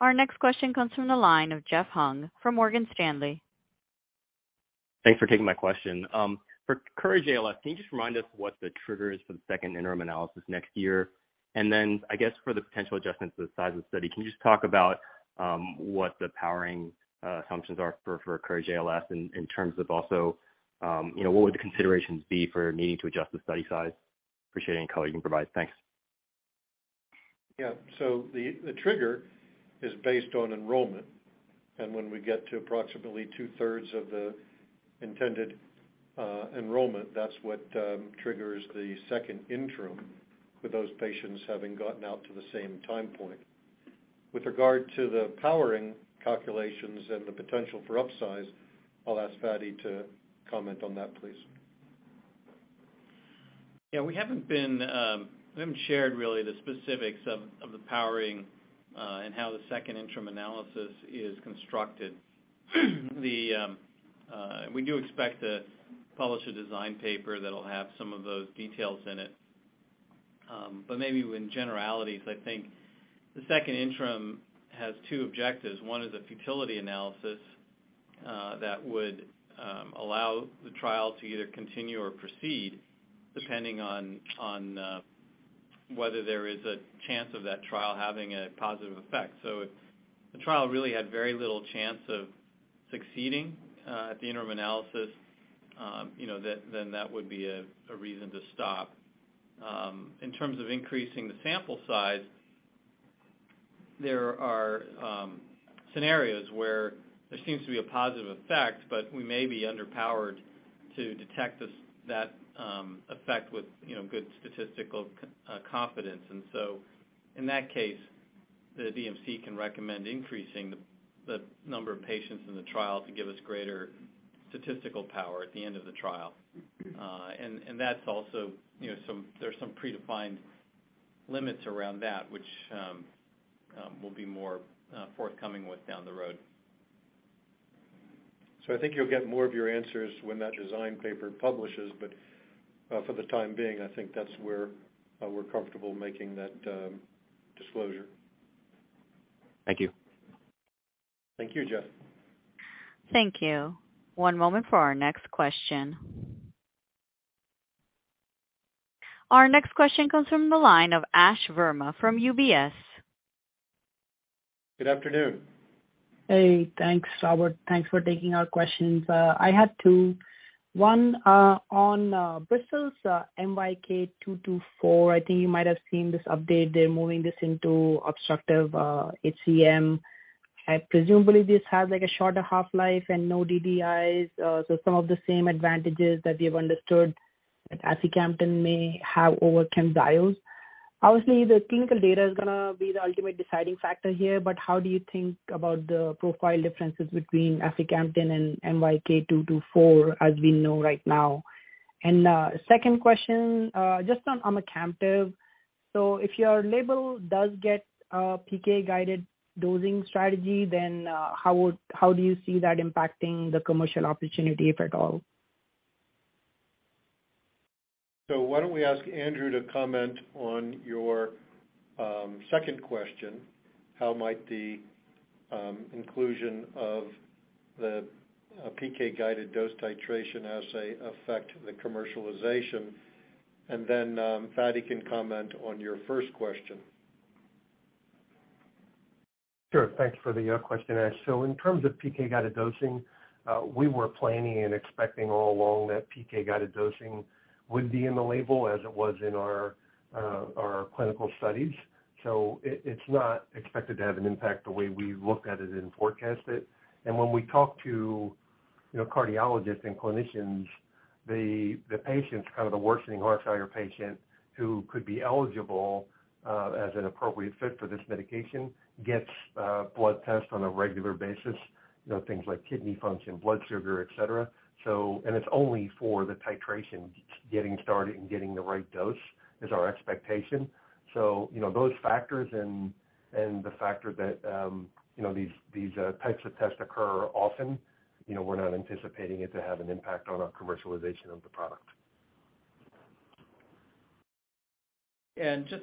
Our next question comes from the line of Jeff Hung from Morgan Stanley. Thanks for taking my question. For COURAGE-ALS, can you just remind us what the trigger is for the second interim analysis next year? Then, I guess, for the potential adjustments to the size of the study, can you just talk about what the powering assumptions are for COURAGE-ALS in terms of also, you know, what would the considerations be for needing to adjust the study size? Appreciate any color you can provide. Thanks. Yeah. The trigger is based on enrollment. When we get to approximately two-thirds of the intended enrollment, that's what triggers the second interim with those patients having gotten out to the same time point. With regard to the powering calculations and the potential for upsize, I'll ask Fady to comment on that, please. Yeah. We haven't shared really the specifics of the powering and how the second interim analysis is constructed. We do expect to publish a design paper that'll have some of those details in it. Maybe in generalities, I think the second interim has two objectives. One is a futility analysis that would allow the trial to either continue or proceed depending on whether there is a chance of that trial having a positive effect. If the trial really had very little chance of succeeding at the interim analysis, you know, then that would be a reason to stop. In terms of increasing the sample size, there are scenarios where there seems to be a positive effect, but we may be underpowered to detect this effect with, you know, good statistical confidence. In that case, the DMC can recommend increasing the number of patients in the trial to give us greater statistical power at the end of the trial. That's also, you know. There are some predefined limits around that, which we'll be more forthcoming with down the road. I think you'll get more of your answers when that design paper publishes. For the time being, I think that's where we're comfortable making that disclosure. Thank you. Thank you, Jeff. Thank you. One moment for our next question. Our next question comes from the line of Ash Varma from UBS. Good afternoon. Hey, thanks, Robert. Thanks for taking our questions. I had two. One, on Bristol's MYK-224. I think you might have seen this update. They're moving this into obstructive HCM. Presumably, this has like a shorter half-life and no DDIs, so some of the same advantages that we have understood that aficamten may have over Camzyos. Obviously, the clinical data is gonna be the ultimate deciding factor here, but how do you think about the profile differences between aficamten and MYK-224, as we know right now? Second question, just on omecamtiv. If your label does get a PK-guided dosing strategy, then how do you see that impacting the commercial opportunity, if at all? Why don't we ask Andrew to comment on your second question? How might the inclusion of the PK-guided dose titration assay affect the commercialization? Fady can comment on your first question. Sure. Thanks for the question, Ash. In terms of PK-guided dosing, we were planning and expecting all along that PK-guided dosing would be in the label as it was in our clinical studies. It's not expected to have an impact the way we looked at it and forecast it. When we talk to, you know, cardiologists and clinicians, the patients, kind of the worsening heart failure patient who could be eligible as an appropriate fit for this medication gets blood tests on a regular basis, you know, things like kidney function, blood sugar, et cetera. It's only for the titration, getting started and getting the right dose is our expectation. You know, those factors and the factor that, you know, these types of tests occur often, you know, we're not anticipating it to have an impact on our commercialization of the product. Just,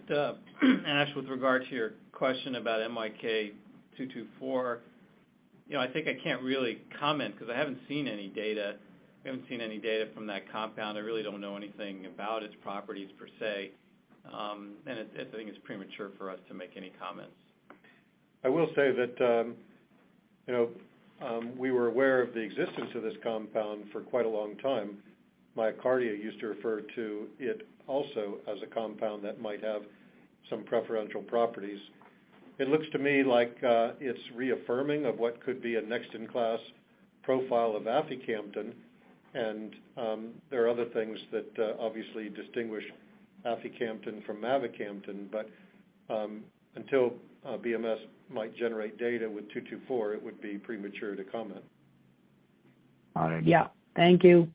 Ash, with regard to your question about MYK-224. You know, I think I can't really comment 'cause I haven't seen any data. We haven't seen any data from that compound. I really don't know anything about its properties per se. I think it's premature for us to make any comments. I will say that, you know, we were aware of the existence of this compound for quite a long time. MyoKardia used to refer to it also as a compound that might have some preferential properties. It looks to me like, it's reaffirming of what could be a next-in-class profile of aficamten. There are other things that, obviously distinguish aficamten from mavacamten, but, until, BMS might generate data with MYK-224, it would be premature to comment. All right. Yeah. Thank you.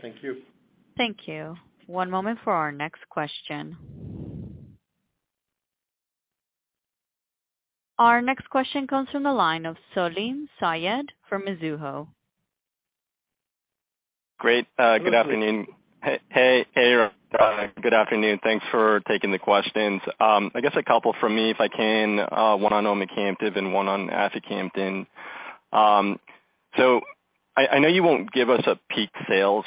Thank you. Thank you. One moment for our next question. Our next question comes from the line of Salim Syed from Mizuho. Great. Good afternoon. Hey, hey, Robert. Good afternoon. Thanks for taking the questions. I guess a couple from me, if I can. One on omecamtiv and one on aficamten. So I know you won't give us a peak sales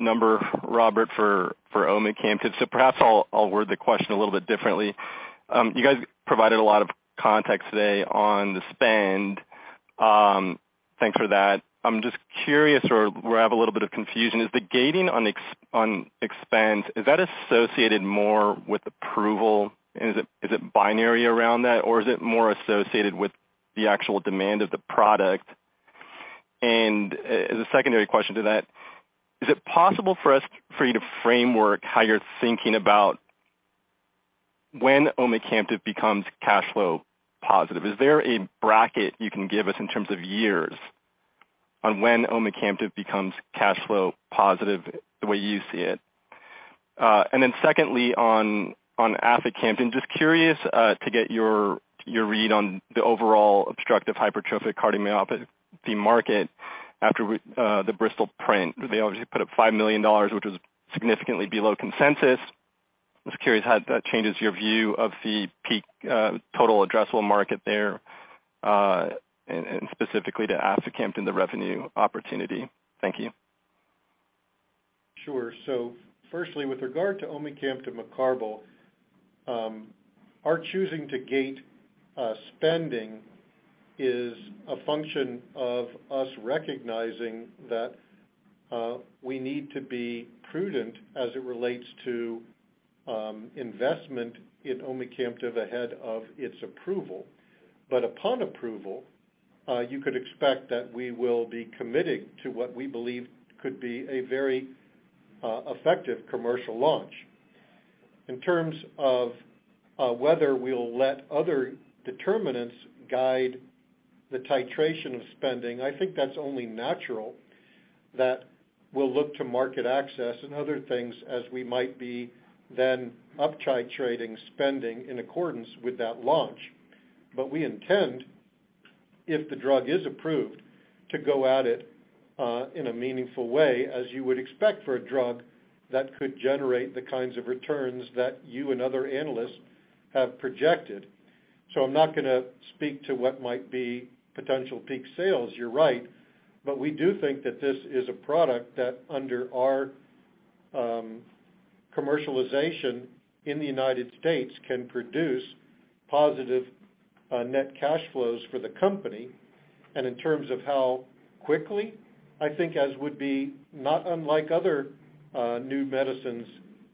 number, Robert, for omecamtiv, so perhaps I'll word the question a little bit differently. You guys provided a lot of context today on the spend. Thanks for that. I'm just curious where I have a little bit of confusion is the gating on expense, is that associated more with approval? Is it binary around that, or is it more associated with the actual demand of the product? And as a secondary question to that, is it possible for you to framework how you're thinking about when omecamtiv becomes cash flow positive? Is there a bracket you can give us in terms of years on when omecamtiv becomes cash flow positive the way you see it? And then secondly, on aficamten, just curious to get your read on the overall obstructive hypertrophic cardiomyopathy market after the Bristol print. They obviously put up $5 million, which was significantly below consensus. Just curious how that changes your view of the peak total addressable market there, and specifically to aficamten, the revenue opportunity. Thank you. Sure. Firstly, with regard to omecamtiv mecarbil, our choosing to gate spending is a function of us recognizing that we need to be prudent as it relates to investment in omecamtiv ahead of its approval. Upon approval, you could expect that we will be committing to what we believe could be a very effective commercial launch. In terms of whether we'll let other determinants guide the titration of spending, I think that's only natural that we'll look to market access and other things as we might be then up titrating spending in accordance with that launch. We intend, if the drug is approved, to go at it in a meaningful way, as you would expect for a drug that could generate the kinds of returns that you and other analysts have projected. I'm not gonna speak to what might be potential peak sales. You're right. We do think that this is a product that under our, commercialization in the United States can produce positive, net cash flows for the company. In terms of how quickly, I think as would be not unlike other, new medicines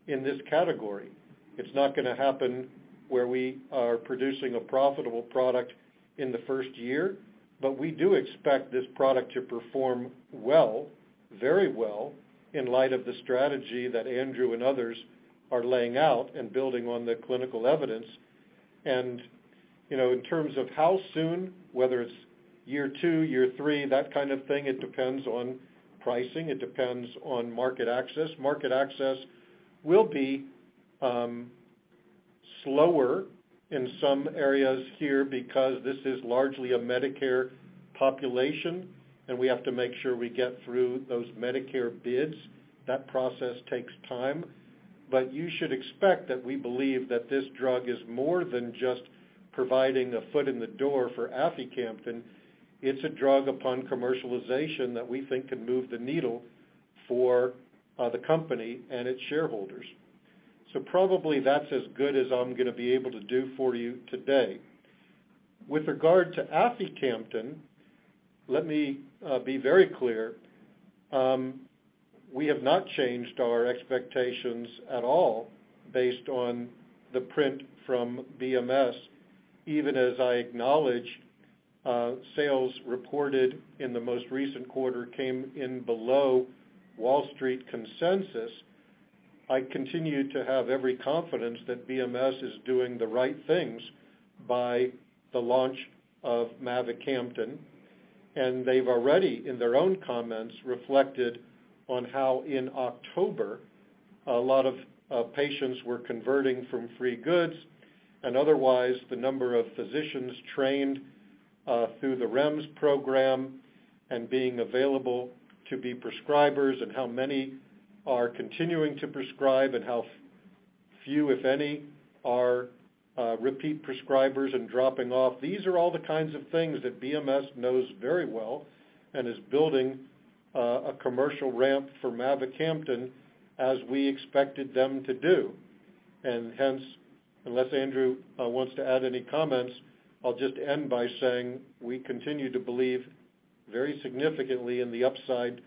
in this category, it's not gonna happen where we are producing a profitable product in the first year. We do expect this product to perform well, very well, in light of the strategy that Andrew and others are laying out and building on the clinical evidence. You know, in terms of how soon, whether it's year two, year three, that kind of thing, it depends on pricing. It depends on market access. Market access will be slower in some areas here because this is largely a Medicare population, and we have to make sure we get through those Medicare bids. That process takes time. You should expect that we believe that this drug is more than just providing a foot in the door for aficamten. It's a drug upon commercialization that we think can move the needle for the company and its shareholders. Probably that's as good as I'm gonna be able to do for you today. With regard to aficamten, let me be very clear. We have not changed our expectations at all based on the print from BMS. Even as I acknowledge, sales reported in the most recent quarter came in below Wall Street consensus, I continue to have every confidence that BMS is doing the right things by the launch of mavacamten. They've already, in their own comments, reflected on how in October a lot of patients were converting from free goods. Otherwise, the number of physicians trained through the REMS program and being available to be prescribers and how many are continuing to prescribe and how few, if any, are repeat prescribers and dropping off. These are all the kinds of things that BMS knows very well and is building a commercial ramp for mavacamten as we expected them to do. Hence, unless Andrew wants to add any comments, I'll just end by saying we continue to believe very significantly in the upside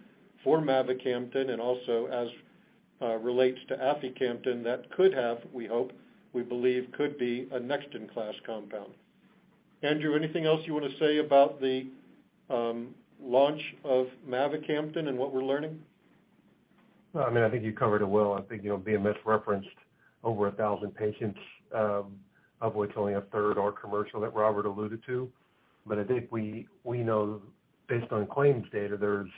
for mavacamten and also as relates to aficamten that could have, we hope, we believe could be a next-in-class compound. Andrew, anything else you want to say about the launch of mavacamten and what we're learning? No, I mean, I think you covered it well. I think, you know, BMS referenced over 1,000 patients, of which only a third are commercial that Robert alluded to. I think we know based on claims data, there's,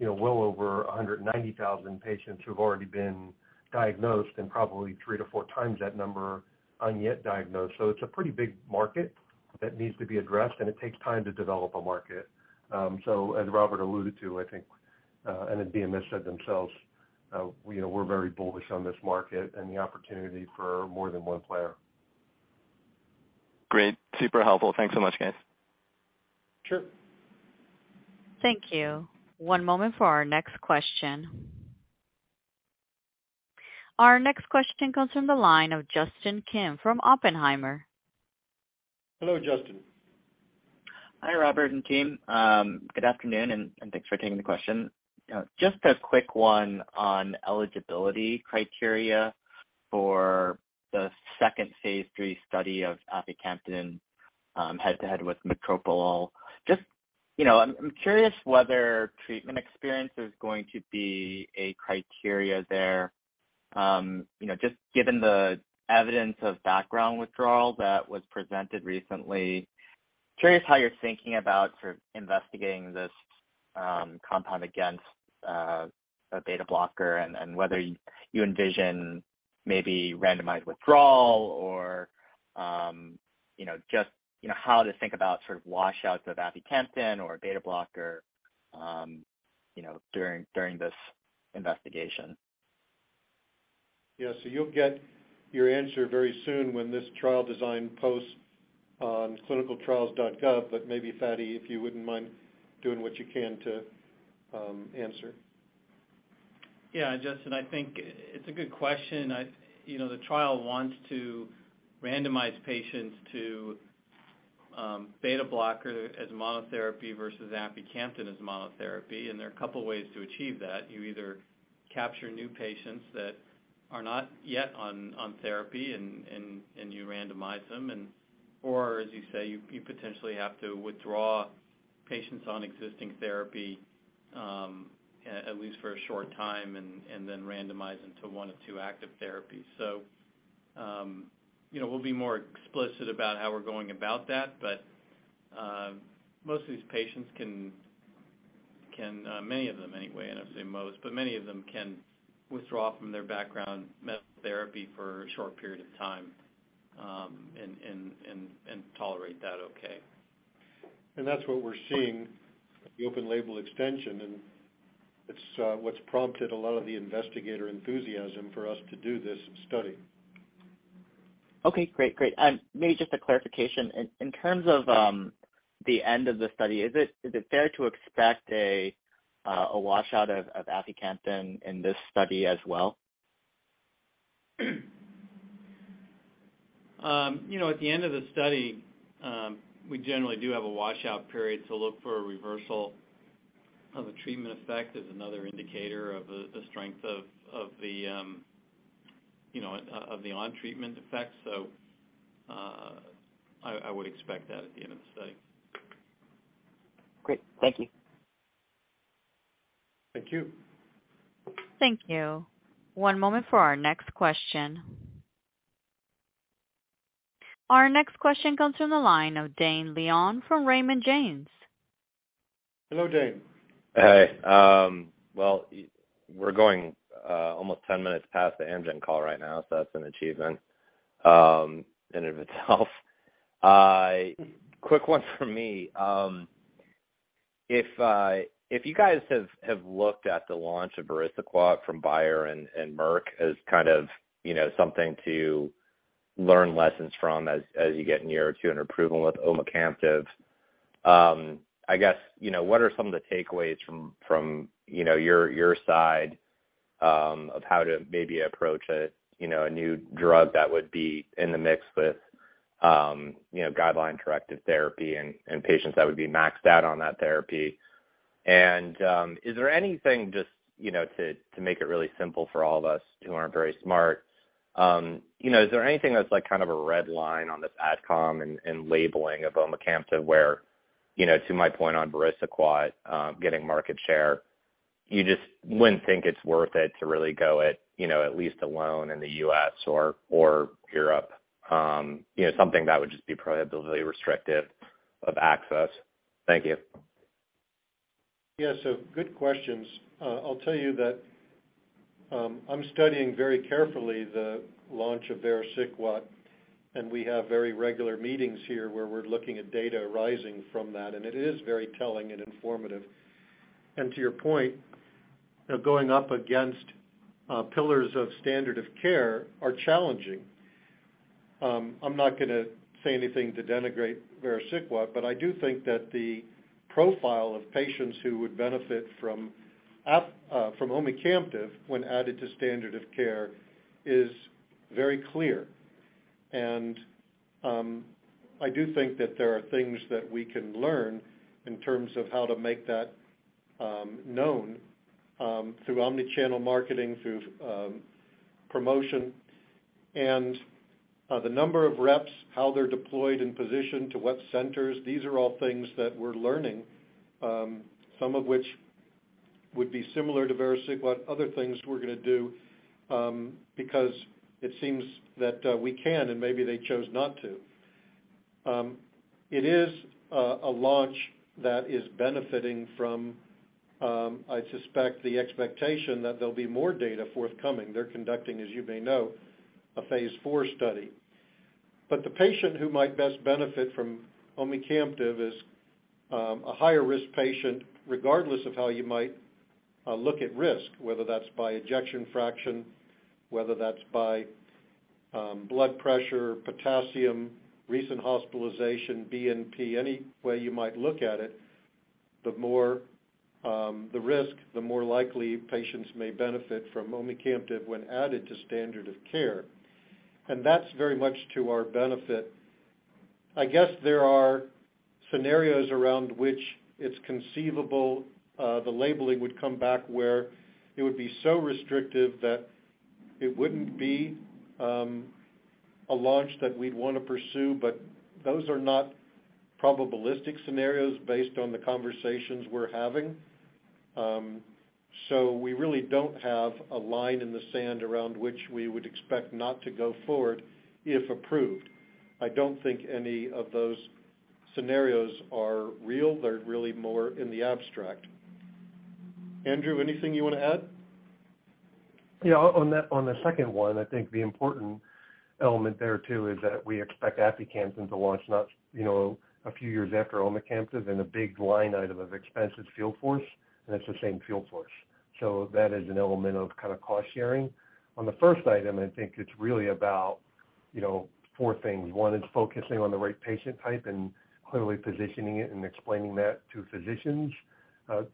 you know, well over 190,000 patients who've already been diagnosed and probably 3-4 times that number undiagnosed. It's a pretty big market that needs to be addressed, and it takes time to develop a market. As Robert alluded to, I think, and as BMS said themselves, you know, we're very bullish on this market and the opportunity for more than one player. Great. Super helpful. Thanks so much, guys. Sure. Thank you. One moment for our next question. Our next question comes from the line of Justin Kim from Oppenheimer. Hello, Justin. Hi, Robert and team. Good afternoon, and thanks for taking the question. Just a quick one on eligibility criteria for the second phase III study of aficamten, head-to-head with metoprolol. You know, I'm curious whether treatment experience is going to be a criteria there. You know, just given the evidence of background withdrawal that was presented recently, curious how you're thinking about sort of investigating this compound against a beta blocker and whether you envision maybe randomized withdrawal or you know how to think about sort of washouts of aficamten or a beta blocker, you know, during this investigation. Yeah. You'll get your answer very soon when this trial design posts on ClinicalTrials.gov. Maybe Fady, if you wouldn't mind doing what you can to answer. Yeah. Justin, I think it's a good question. You know, the trial wants to randomize patients to beta blocker as monotherapy versus aficamten as monotherapy, and there are a couple ways to achieve that. You either capture new patients that are not yet on therapy and you randomize them. Or as you say, you potentially have to withdraw patients on existing therapy at least for a short time and then randomize into one of two active therapies. You know, we'll be more explicit about how we're going about that. Most of these patients can, many of them anyway, and I say most, but many of them can withdraw from their background therapy for a short period of time and tolerate that okay. That's what we're seeing with the open label extension, and it's what's prompted a lot of the investigator enthusiasm for us to do this study. Okay, great. Maybe just a clarification. In terms of the end of the study, is it fair to expect a washout of aficamten in this study as well? You know, at the end of the study, we generally do have a washout period to look for a reversal of a treatment effect as another indicator of the strength of the on treatment effect. I would expect that at the end of the study. Great. Thank you. Thank you. Thank you. One moment for our next question. Our next question comes from the line of Dane Leone from Raymond James. Hello, Dane. Hey. Well, we're going almost 10 minutes past the Amgen call right now, so that's an achievement in and of itself. Quick one from me. If you guys have looked at the launch of Vericiguat from Bayer and Merck as kind of, you know, something to learn lessons from as you get near to an approval with omecamtiv. I guess, you know, what are some of the takeaways from, you know, your side of how to maybe approach a, you know, a new drug that would be in the mix with, you know, guideline-directed therapy and patients that would be maxed out on that therapy? Is there anything just, you know, to make it really simple for all of us who aren't very smart. You know, is there anything that's like kind of a red line on this ad comm and labeling of omecamtiv where, you know, to my point on Vericiguat, getting market share, you just wouldn't think it's worth it to really go it alone in the U.S. or Europe. You know, something that would just be prohibitively restrictive of access. Thank you. Yeah. Good questions. I'll tell you that, I'm studying very carefully the launch of Vericiguat, and we have very regular meetings here where we're looking at data arising from that, and it is very telling and informative. To your point, going up against pillars of standard of care are challenging. I'm not gonna say anything to denigrate Vericiguat, but I do think that the profile of patients who would benefit from omecamtiv when added to standard care is very clear. I do think that there are things that we can learn in terms of how to make that known through omni-channel marketing, through promotion. The number of reps, how they're deployed and positioned to what centers, these are all things that we're learning, some of which would be similar to Vericiguat. Other things we're gonna do, because it seems that we can and maybe they chose not to. It is a launch that is benefiting from, I suspect, the expectation that there'll be more data forthcoming. They're conducting, as you may know, a phase IV study. The patient who might best benefit from omecamtiv is a higher risk patient, regardless of how you might look at risk, whether that's by ejection fraction, whether that's by blood pressure, potassium, recent hospitalization, BNP, any way you might look at it, the more the risk, the more likely patients may benefit from omecamtiv when added to standard of care. That's very much to our benefit. I guess there are scenarios around which it's conceivable, the labeling would come back where it would be so restrictive that it wouldn't be, a launch that we'd wanna pursue. Those are not probabilistic scenarios based on the conversations we're having. We really don't have a line in the sand around which we would expect not to go forward if approved. I don't think any of those scenarios are real. They're really more in the abstract. Andrew, anything you wanna add? Yeah. On the second one, I think the important element there too is that we expect aficamten to launch not, you know, a few years after omecamtiv and a big line item of expensive field force, and it's the same field force. So that is an element of kinda cost sharing. On the first item, I think it's really about, you know, four things. One is focusing on the right patient type and clearly positioning it and explaining that to physicians.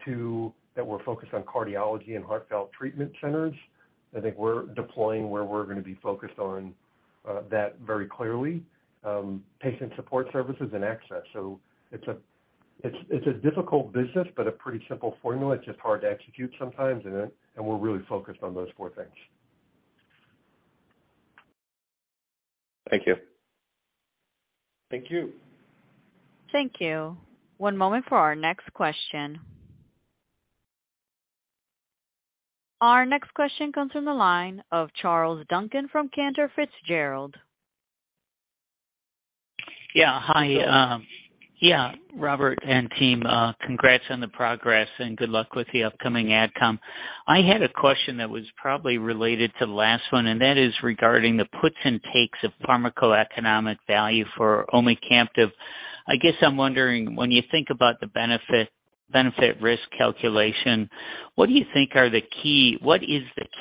Two, that we're focused on cardiology and heart failure treatment centers. I think we're deploying where we're gonna be focused on that very clearly. Patient support services and access. So it's a difficult business but a pretty simple formula. It's just hard to execute sometimes. We're really focused on those four things. Thank you. Thank you. Thank you. One moment for our next question. Our next question comes from the line of Charles Duncan from Cantor Fitzgerald. Yeah. Hi. Robert and team, congrats on the progress and good luck with the upcoming AdCom. I had a question that was probably related to the last one, and that is regarding the puts and takes of pharmacoeconomic value for omecamtiv. I guess I'm wondering, when you think about the benefit risk calculation, what is the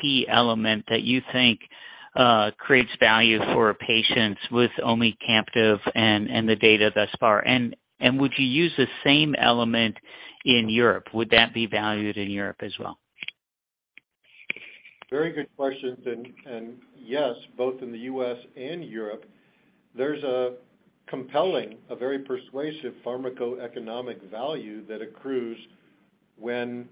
key element that you think creates value for patients with omecamtiv and the data thus far. And would you use the same element in Europe. Would that be valued in Europe as well. Very good question. Yes, both in the U.S. and Europe, there's a compelling, a very persuasive pharmacoeconomic value that accrues when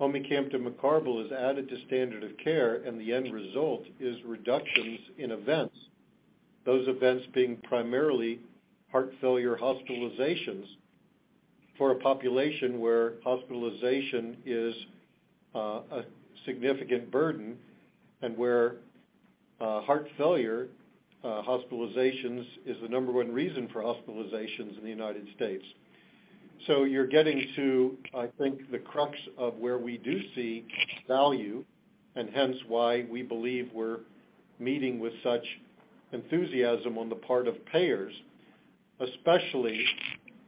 omecamtiv mecarbil is added to standard of care, and the end result is reductions in events. Those events being primarily heart failure hospitalizations for a population where hospitalization is a significant burden and where heart failure hospitalizations is the number one reason for hospitalizations in the United States. You're getting to, I think, the crux of where we do see value and hence why we believe we're meeting with such enthusiasm on the part of payers, especially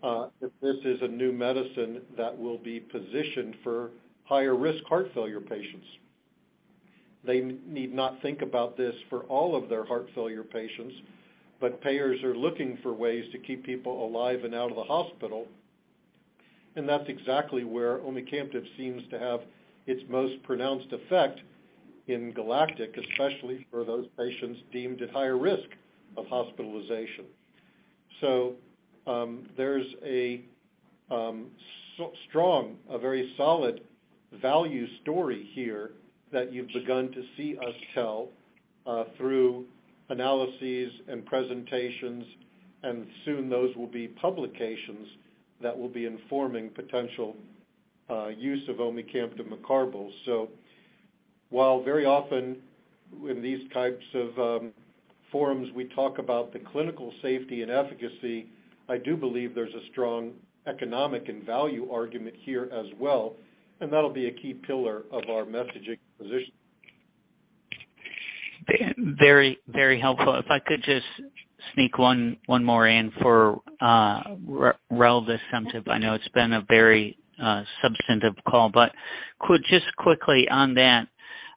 if this is a new medicine that will be positioned for higher risk heart failure patients. They need not think about this for all of their heart failure patients, but payers are looking for ways to keep people alive and out of the hospital, and that's exactly where omecamtiv seems to have its most pronounced effect in GALACTIC, especially for those patients deemed at higher risk of hospitalization. There's a very solid value story here that you've begun to see us tell through analyses and presentations, and soon those will be publications that will be informing potential use of omecamtiv mecarbil. While very often in these types of forums, we talk about the clinical safety and efficacy, I do believe there's a strong economic and value argument here as well, and that'll be a key pillar of our messaging position. Very, very helpful. If I could just sneak one more in for relevant assumption. I know it's been a very substantive call, but could just quickly on that,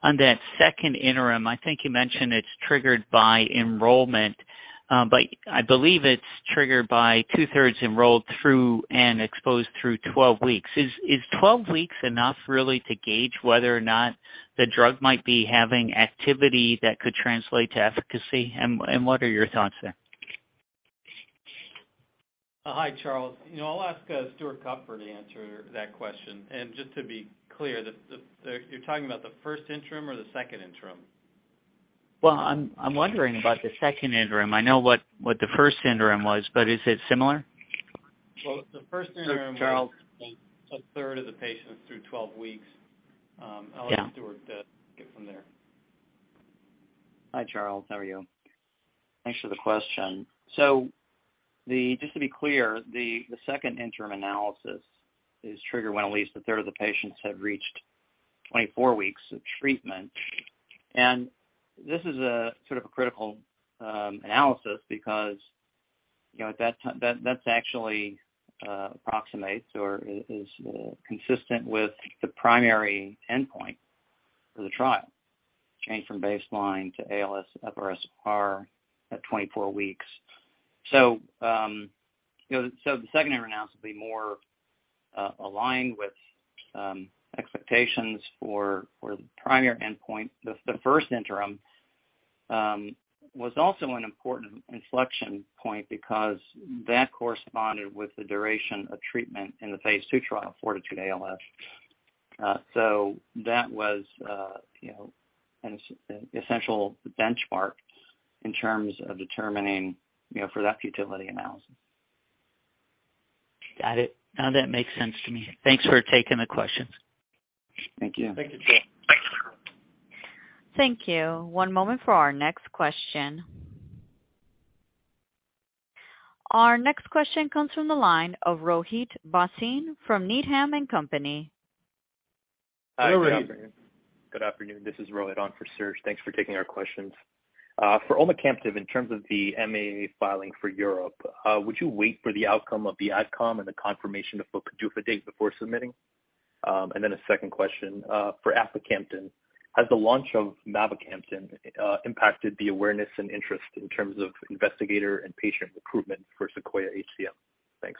on that second interim. I think you mentioned it's triggered by enrollment, but I believe it's triggered by two-thirds enrolled through and exposed through 12 weeks. Is 12 weeks enough really to gauge whether or not the drug might be having activity that could translate to efficacy? What are your thoughts there? Hi, Charles. You know, I'll ask Stuart Kupfer to answer that question. Just to be clear, you're talking about the first interim or the second interim? Well, I'm wondering about the second interim. I know what the first interim was, but is it similar? Well, the first interim was. Charles- A third of the patients through 12 weeks. Yeah. I'll let Stuart get from there. Hi, Charles. How are you? Thanks for the question. Just to be clear, the second interim analysis is triggered when at least a third of the patients have reached 24 weeks of treatment. This is a sort of a critical analysis because, you know, at that time, that's actually approximates or is consistent with the primary endpoint for the trial, change from baseline to ALSFRS-R at 24 weeks. You know, the second interim analysis will be more aligned with expectations for the primary endpoint. The first interim was also an important inflection point because that corresponded with the duration of treatment in the phase II trial, FORTITUDE-ALS. You know, that was an essential benchmark in terms of determining, you know, for that futility analysis. Got it. Now that makes sense to me. Thanks for taking the questions. Thank you. Thank you. Thanks. Thank you. One moment for our next question. Our next question comes from the line of Rohit Bhasin from Needham & Company. Hi, Rohit. Good afternoon. This is Rohit on for Serge. Thanks for taking our questions. For omecamtiv, in terms of the MAA filing for Europe, would you wait for the outcome of the AdCom and the confirmation of PDUFA date before submitting? A second question, for aficamten. Has the launch of mavacamten impacted the awareness and interest in terms of investigator and patient recruitment for SEQUOIA-HCM? Thanks.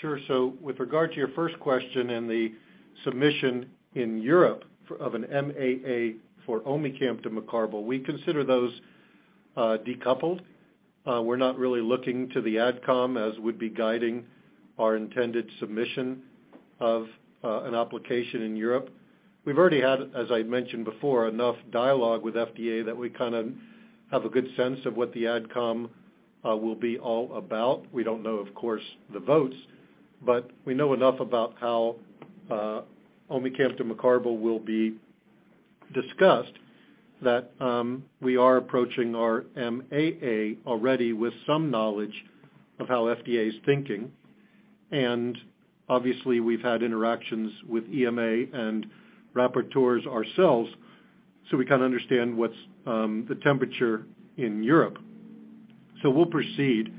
Sure. With regard to your first question and the submission in Europe of an MAA for omecamtiv mecarbil, we consider those decoupled. We're not really looking to the AdCom as we'd be guiding our intended submission of an application in Europe. We've already had, as I mentioned before, enough dialogue with FDA that we kind of have a good sense of what the AdCom will be all about. We don't know, of course, the votes, but we know enough about how omecamtiv mecarbil will be discussed that we are approaching our MAA already with some knowledge of how FDA is thinking. Obviously we've had interactions with EMA and rapporteurs ourselves, so we can understand what's the temperature in Europe. We'll proceed.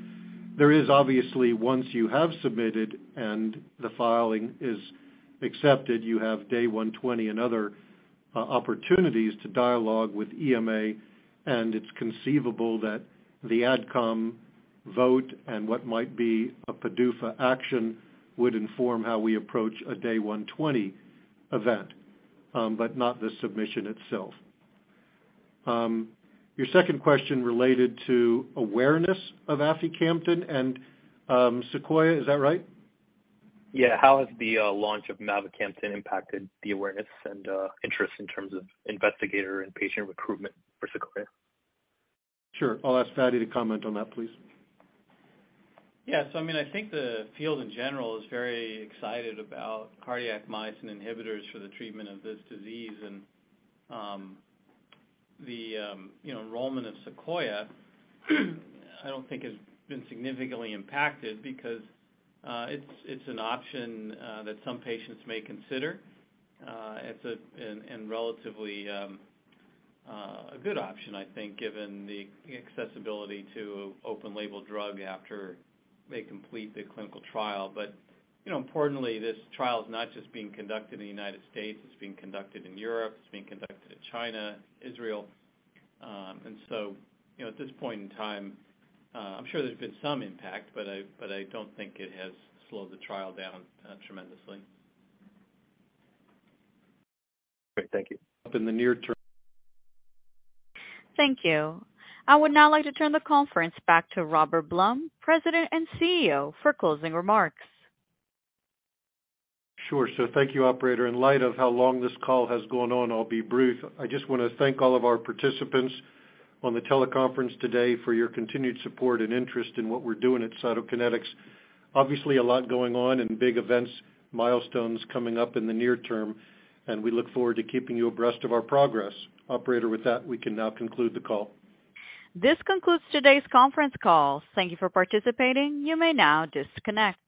There is obviously, once you have submitted and the filing is accepted, you have Day 120 and other opportunities to dialog with EMA, and it's conceivable that the AdCom vote and what might be a PDUFA action would inform how we approach a Day 120 event, but not the submission itself. Your second question related to awareness of aficamten and SEQUOIA-HCM, is that right? Yeah. How has the launch of mavacamten impacted the awareness and interest in terms of investigator and patient recruitment for Sequoia? Sure. I'll ask Fady to comment on that, please. Yeah. I mean, I think the field in general is very excited about cardiac myosin inhibitors for the treatment of this disease. The enrollment of Sequoia, I don't think has been significantly impacted because it's an option that some patients may consider. And relatively a good option, I think, given the accessibility to open-label drug after they complete the clinical trial. You know, importantly, this trial is not just being conducted in the United States, it's being conducted in Europe, it's being conducted in China, Israel. You know, at this point in time, I'm sure there's been some impact, but I don't think it has slowed the trial down tremendously. Great. Thank you. Up in the near term. Thank you. I would now like to turn the conference back to Robert Blum, President and CEO, for closing remarks. Sure. Thank you, operator. In light of how long this call has gone on, I'll be brief. I just wanna thank all of our participants on the teleconference today for your continued support and interest in what we're doing at Cytokinetics. Obviously a lot going on and big events, milestones coming up in the near term, and we look forward to keeping you abreast of our progress. Operator, with that, we can now conclude the call. This concludes today's conference call. Thank you for participating. You may now disconnect.